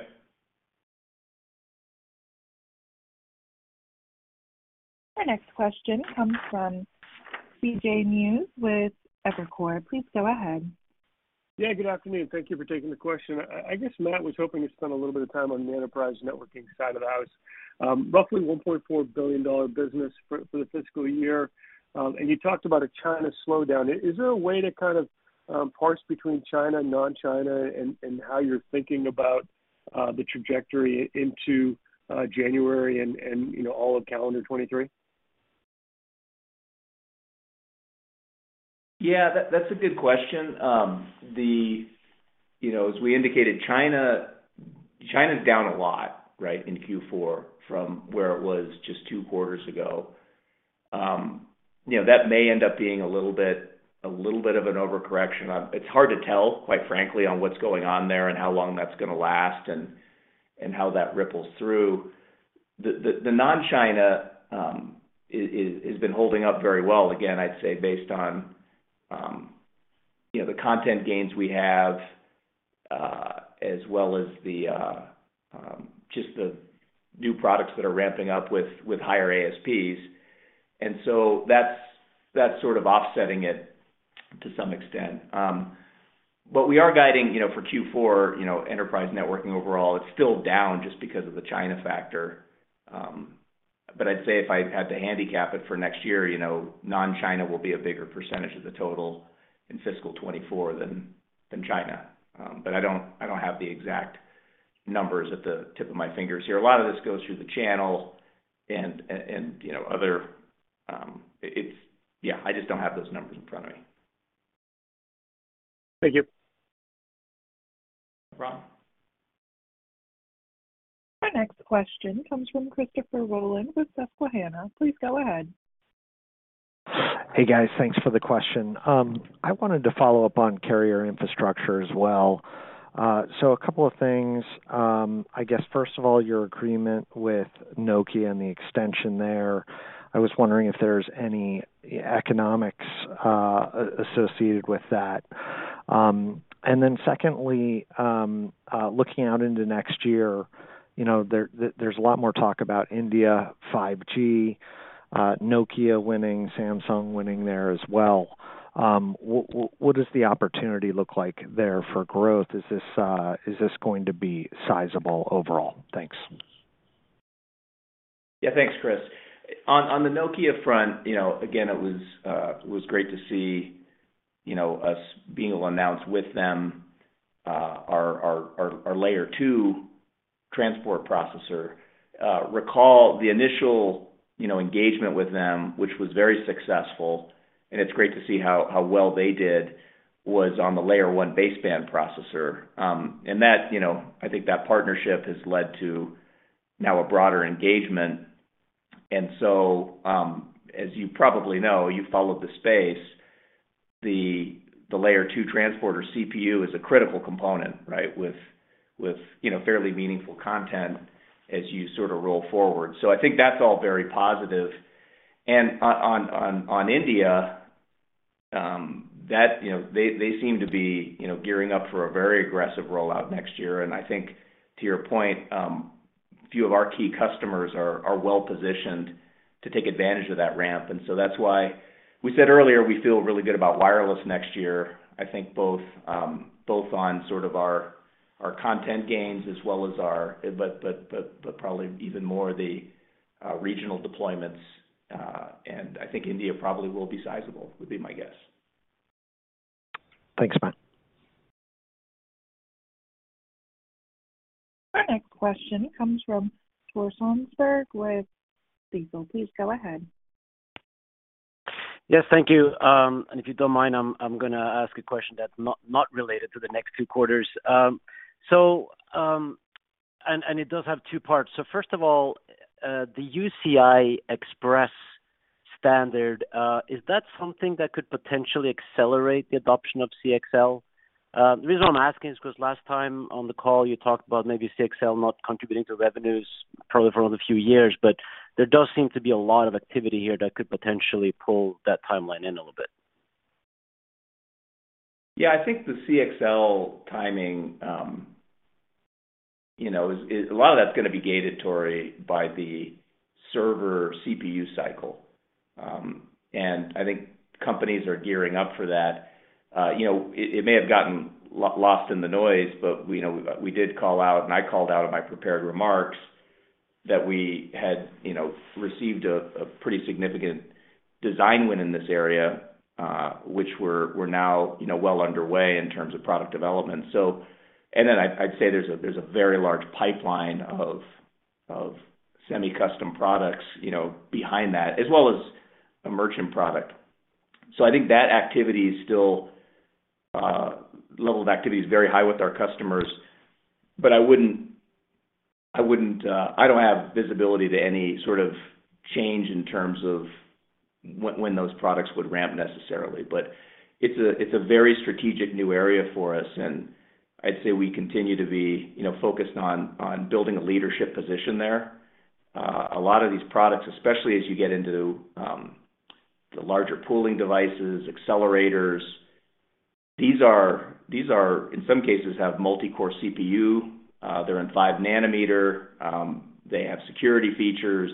Our next question comes from C.J. Muse with Evercore. Please go ahead. Yeah, good afternoon. Thank you for taking the question. I guess Matt was hoping to spend a little bit of time on the enterprise networking side of the house. Roughly $1.4 billion business for the fiscal year. You talked about a China slowdown. Is there a way to kind of parse between China and non-China and how you're thinking about the trajectory into January and, you know, all of calendar 2023? Yeah. That's a good question. you know, as we indicated, China's down a lot, right, in Q4 from where it was just two quarters ago. you know, that may end up being a little bit of an overcorrection on... It's hard to tell, quite frankly, on what's going on there and how long that's going to last and how that ripples through. The non-China has been holding up very well. Again, I'd say based on, you know, the content gains we have, as well as just the new products that are ramping up with higher ASPs. That's sort of offsetting it to some extent. We are guiding, you know, for Q4, you know, enterprise networking overall. It's still down just because of the China factor. I'd say if I had to handicap it for next year, you know, non-China will be a bigger percentage of the total in fiscal 2024 than China. I don't have the exact numbers at the tip of my fingers here. A lot of this goes through the channel and, you know, other. Yeah, I just don't have those numbers in front of me. Thank you. No problem. Our next question comes from Christopher Rolland with Susquehanna. Please go ahead. Hey, guys. Thanks for the question. I wanted to follow up on carrier infrastructure as well. A couple of things. I guess, first of all, your agreement with Nokia and the extension there. I was wondering if there's any economics associated with that. Secondly, looking out into next year, you know, there's a lot more talk about India 5G, Nokia winning, Samsung winning there as well. What does the opportunity look like there for growth? Is this going to be sizable overall? Thanks. Yeah. Thanks, Chris. On the Nokia front, you know, again, it was great to see, you know, us being able to announce with them, our layer two transport processor. Recall the initial, you know, engagement with them, which was very successful, and it's great to see how well they did, was on the layer one baseband processor. That, you know, I think that partnership has led to now a broader engagement. As you probably know, you follow the space, the layer two transporter CPU is a critical component, right, with, you know, fairly meaningful content as you sort of roll forward. I think that's all very positive. On India, that, you know, they seem to be, you know, gearing up for a very aggressive rollout next year. I think to your point, a few of our key customers are well-positioned to take advantage of that ramp. That's why we said earlier we feel really good about wireless next year, I think both on sort of our content gains as well as our... Probably even more the regional deployments. I think India probably will be sizable, would be my guess. Thanks, Matt. Our next question comes from Tore Svanberg with Stifel. Please go ahead. Yes, thank you. If you don't mind, I'm gonna ask a question that's not related to the next 2 quarters. It does have 2 parts. First of all, the UCIe standard, is that something that could potentially accelerate the adoption of CXL? The reason I'm asking is 'cause last time on the call you talked about maybe CXL not contributing to revenues probably for another few years, but there does seem to be a lot of activity here that could potentially pull that timeline in a little bit. Yeah. I think the CXL timing, you know, is A lot of that's gonna be gated, Tore, by the server CPU cycle. I think companies are gearing up for that. you know, it may have gotten lost in the noise, but we know we did call out, and I called out in my prepared remarks that we had, you know, received a pretty significant design win in this area, which we're now, you know, well underway in terms of product development. I'd say there's a very large pipeline of semi-custom products, you know, behind that, as well as a merchant product. I think that activity is still, level of activity is very high with our customers, but I wouldn't, I wouldn't, I don't have visibility to any sort of change in terms of when those products would ramp necessarily. It's a, it's a very strategic new area for us, and I'd say we continue to be, you know, focused on building a leadership position there. A lot of these products, especially as you get into, the larger pooling devices, accelerators, these are, these are in some cases have multi-core CPU. They're in 5 nm. They have security features.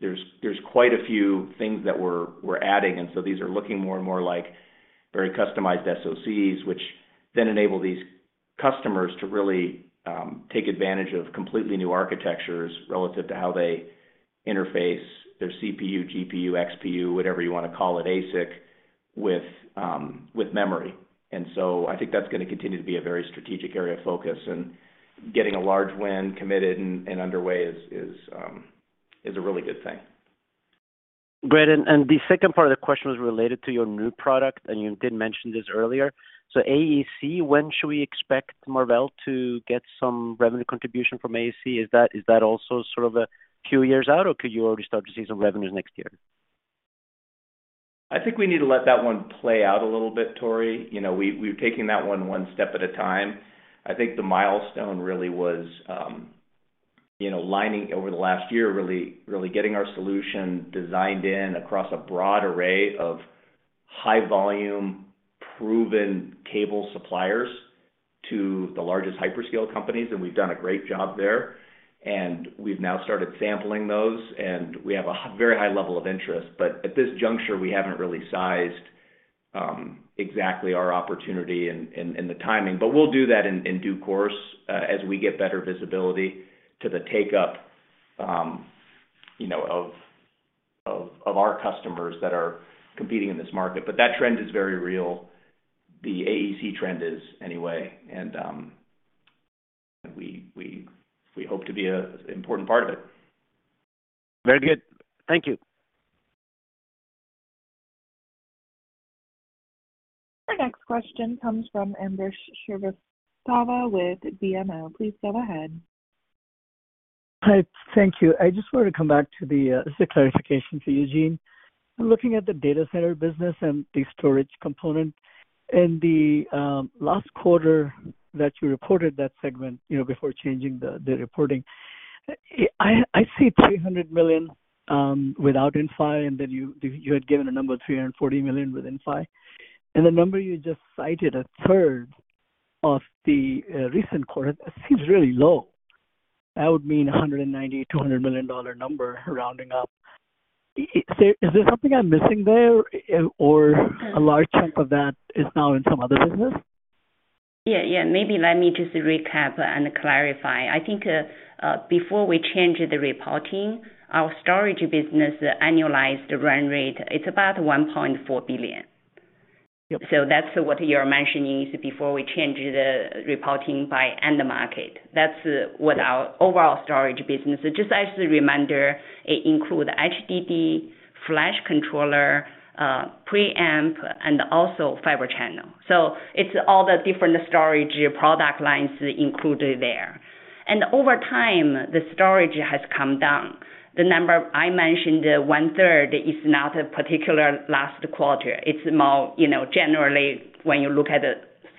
There's quite a few things that we're adding, and so these are looking more and more like very customized SoCs, which then enable these customers to really take advantage of completely new architectures relative to how they interface their CPU, GPU, XPU, whatever you wanna call it, ASIC, with memory. I think that's gonna continue to be a very strategic area of focus and getting a large win committed and underway is a really good thing. Great. And the second part of the question was related to your new product, and you did mention this earlier. AEC, when should we expect Marvell to get some revenue contribution from AEC? Is that also sort of a few years out, or could you already start to see some revenues next year? I think we need to let that one play out a little bit, Tore. You know, we've taken that one step at a time. I think the milestone really was, you know, lining over the last year, really getting our solution designed in across a broad array of high volume, proven cable suppliers to the largest hyperscale companies, and we've done a great job there. We've now started sampling those, and we have a very high level of interest. At this juncture, we haven't really sized exactly our opportunity and the timing. We'll do that in due course, as we get better visibility to the take-up, you know, of our customers that are competing in this market. That trend is very real. The AEC trend is anyway. We hope to be a important part of it. Very good. Thank you. Our next question comes from Ambrish Srivastava with BMO. Please go ahead. Hi. Thank you. I just want to come back to the. This is a clarification for Jean. Looking at the data center business and the storage component. In the last quarter that you reported that segment, you know, before changing the reporting, I see $300 million without Inphi, and then you had given a number $340 million with Inphi. The number you just cited, a third of the recent quarter, it seems really low. That would mean a $190 million-$200 million number rounding up. Is there something I'm missing there or a large chunk of that is now in some other business? Yeah. Maybe let me just recap and clarify. I think, before we change the reporting, our storage business annualized run rate is about $1.4 billion. Yep. That's what you're mentioning is before we change the reporting by end market. That's what our overall storage business. Just as a reminder, it include HDD, flash controller, preamp, and also Fibre Channel. It's all the different storage product lines included there. Over time, the storage has come down. The number I mentioned, one third, is not a particular last quarter. It's more, you know, generally when you look at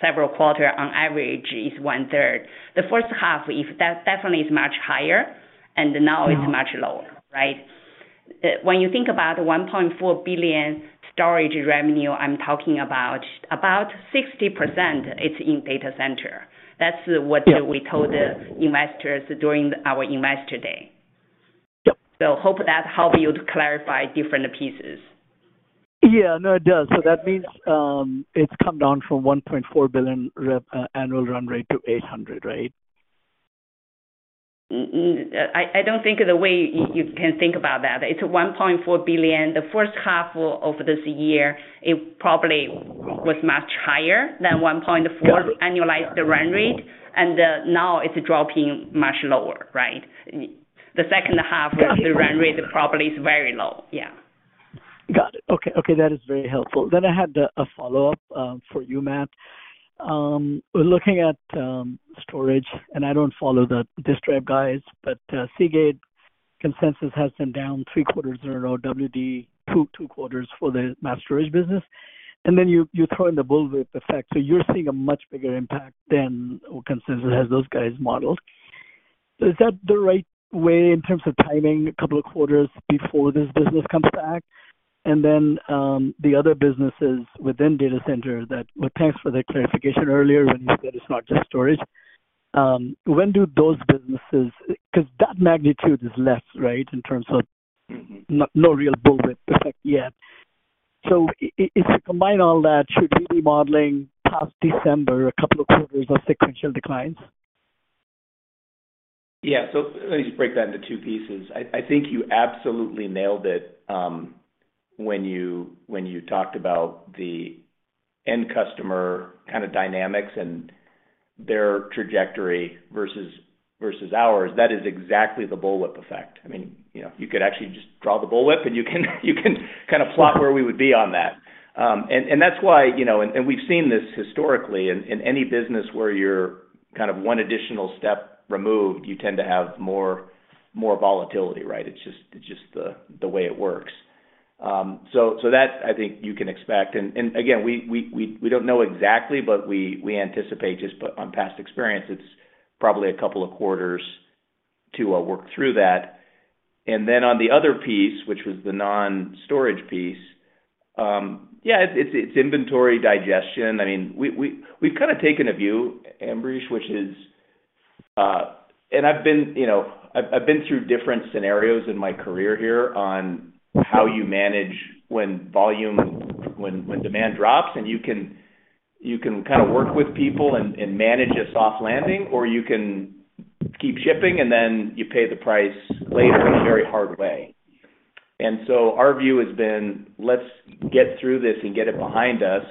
several quarter, on average it's one third. The H1, that definitely is much higher, and now it's much lower, right? When you think about $1.4 billion storage revenue, I'm talking about 60% it's in data center. That's what we told investors during our Investor Day. Yep. Hope that help you to clarify different pieces. Yeah. No, it does. That means, it's come down from $1.4 billion rev annual run rate to $800 million, right? I don't think the way you can think about that. It's $1.4 billion. The H1 of this year, it probably was much higher than $1.4 annualized run rate. Now it's dropping much lower, right? The H2 the run rate probably is very low. Yeah. Got it. Okay. That is very helpful. I had a follow-up for you, Matt. We're looking at storage, and I don't follow the distrip guys, but Seagate consensus has been down 3 quarters in a row, WD 2 quarters for the mass storage business. Then you throw in the bullwhip effect, so you're seeing a much bigger impact than what consensus has those guys modeled. Is that the right way in terms of timing a couple of quarters before this business comes back? Then the other businesses within data center that... Well, thanks for the clarification earlier when you said it's not just storage. When do those businesses... Cause that magnitude is less, right, in terms of no real bullwhip effect yet. If you combine all that, should we be modeling past December a couple of quarters of sequential declines? Let me just break that into two pieces. I think you absolutely nailed it, when you talked about the end customer kind of dynamics and their trajectory versus ours. That is exactly the bullwhip effect. I mean, you know, you could actually just draw the bullwhip, and you can kind of plot where we would be on that. That's why, you know, and we've seen this historically in any business where you're kind of one additional step removed, you tend to have more volatility, right? It's just the way it works. That, I think you can expect. Again, we don't know exactly, but we anticipate just on past experience, it's probably a couple of quarters to work through that. On the other piece, which was the non-storage piece, yeah, it's inventory digestion. I mean, we've kind of taken a view, Ambrish, which is... I've been, you know, I've been through different scenarios in my career here on how you manage when volume, when demand drops, and you can kind of work with people and manage a soft landing, or you can keep shipping and then you pay the price later in a very hard way. Our view has been let's get through this and get it behind us,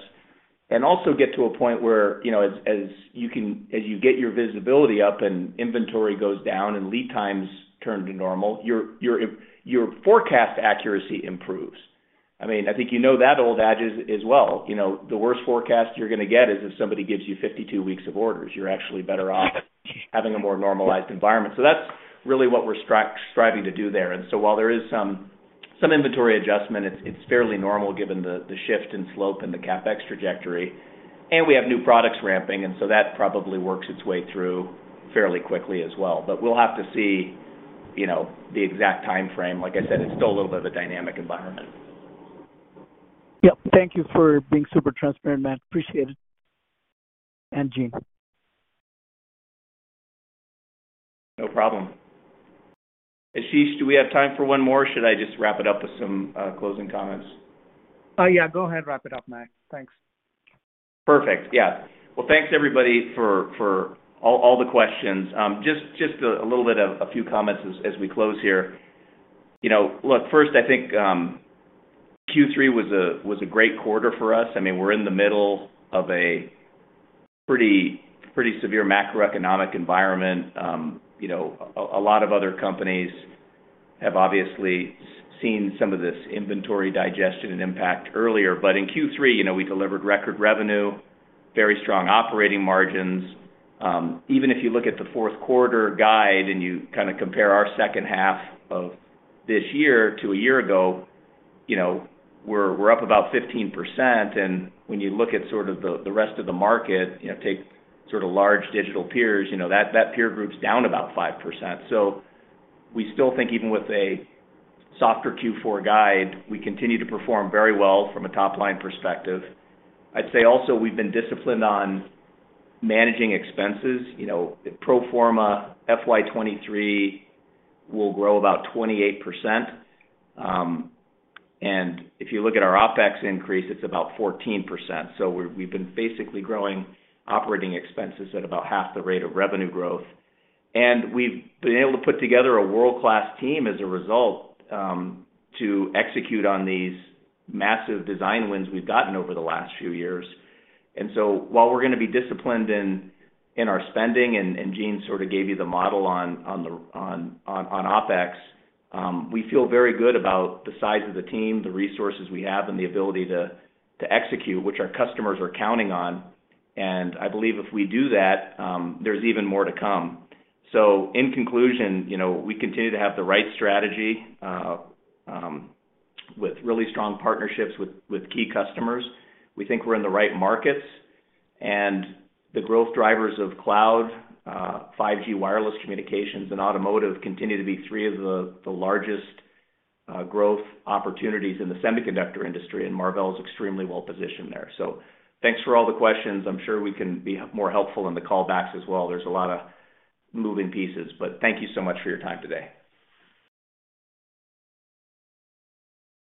and also get to a point where, you know, as you get your visibility up and inventory goes down and lead times turn to normal, your forecast accuracy improves. I mean, I think you know that old adage as well, you know. The worst forecast you're gonna get is if somebody gives you 52 weeks of orders. You're actually better off having a more normalized environment. That's really what we're striving to do there. While there is some inventory adjustment, it's fairly normal given the shift in slope and the CapEx trajectory. We have new products ramping, that probably works its way through fairly quickly as well. We'll have to see, you know, the exact timeframe. Like I said, it's still a little bit of a dynamic environment. Yep. Thank you for being super transparent, Matt. Appreciate it. Jean. No problem. Ashish, do we have time for one more, or should I just wrap it up with some closing comments? Yeah, go ahead and wrap it up, Matt. Thanks. Thanks everybody for all the questions. Just a little bit of a few comments as we close here. You know, look, first, I think, Q3 was a great quarter for us. I mean, we're in the middle of a pretty severe macroeconomic environment. You know, a lot of other companies have obviously seen some of this inventory digestion and impact earlier. In Q3, you know, we delivered record revenue, very strong operating margins. Even if you look at the fourth quarter guide and you kind of compare our H2 of this year to a year ago, you know, we're up about 15%. When you look at sort of the rest of the market, you know, take sort of large digital peers, you know, that peer group's down about 5%. We still think even with a softer Q4 guide, we continue to perform very well from a top-line perspective. I'd say also we've been disciplined on managing expenses. You know, pro forma FY 2023 will grow about 28%. If you look at our OpEx increase, it's about 14%. We've been basically growing operating expenses at about half the rate of revenue growth. We've been able to put together a world-class team as a result, to execute on these massive design wins we've gotten over the last few years. While we're gonna be disciplined in our spending, and Jean sort of gave you the model on the OpEx, we feel very good about the size of the team, the resources we have, and the ability to execute, which our customers are counting on. I believe if we do that, there's even more to come. In conclusion, you know, we continue to have the right strategy with really strong partnerships with key customers. We think we're in the right markets and the growth drivers of cloud, 5G wireless communications and automotive continue to be three of the largest growth opportunities in the semiconductor industry, and Marvell is extremely well-positioned there. Thanks for all the questions. I'm sure we can be more helpful in the callbacks as well. There's a lot of moving pieces, but thank you so much for your time today.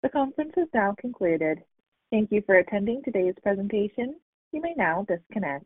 The conference is now concluded. Thank you for attending today's presentation. You may now disconnect.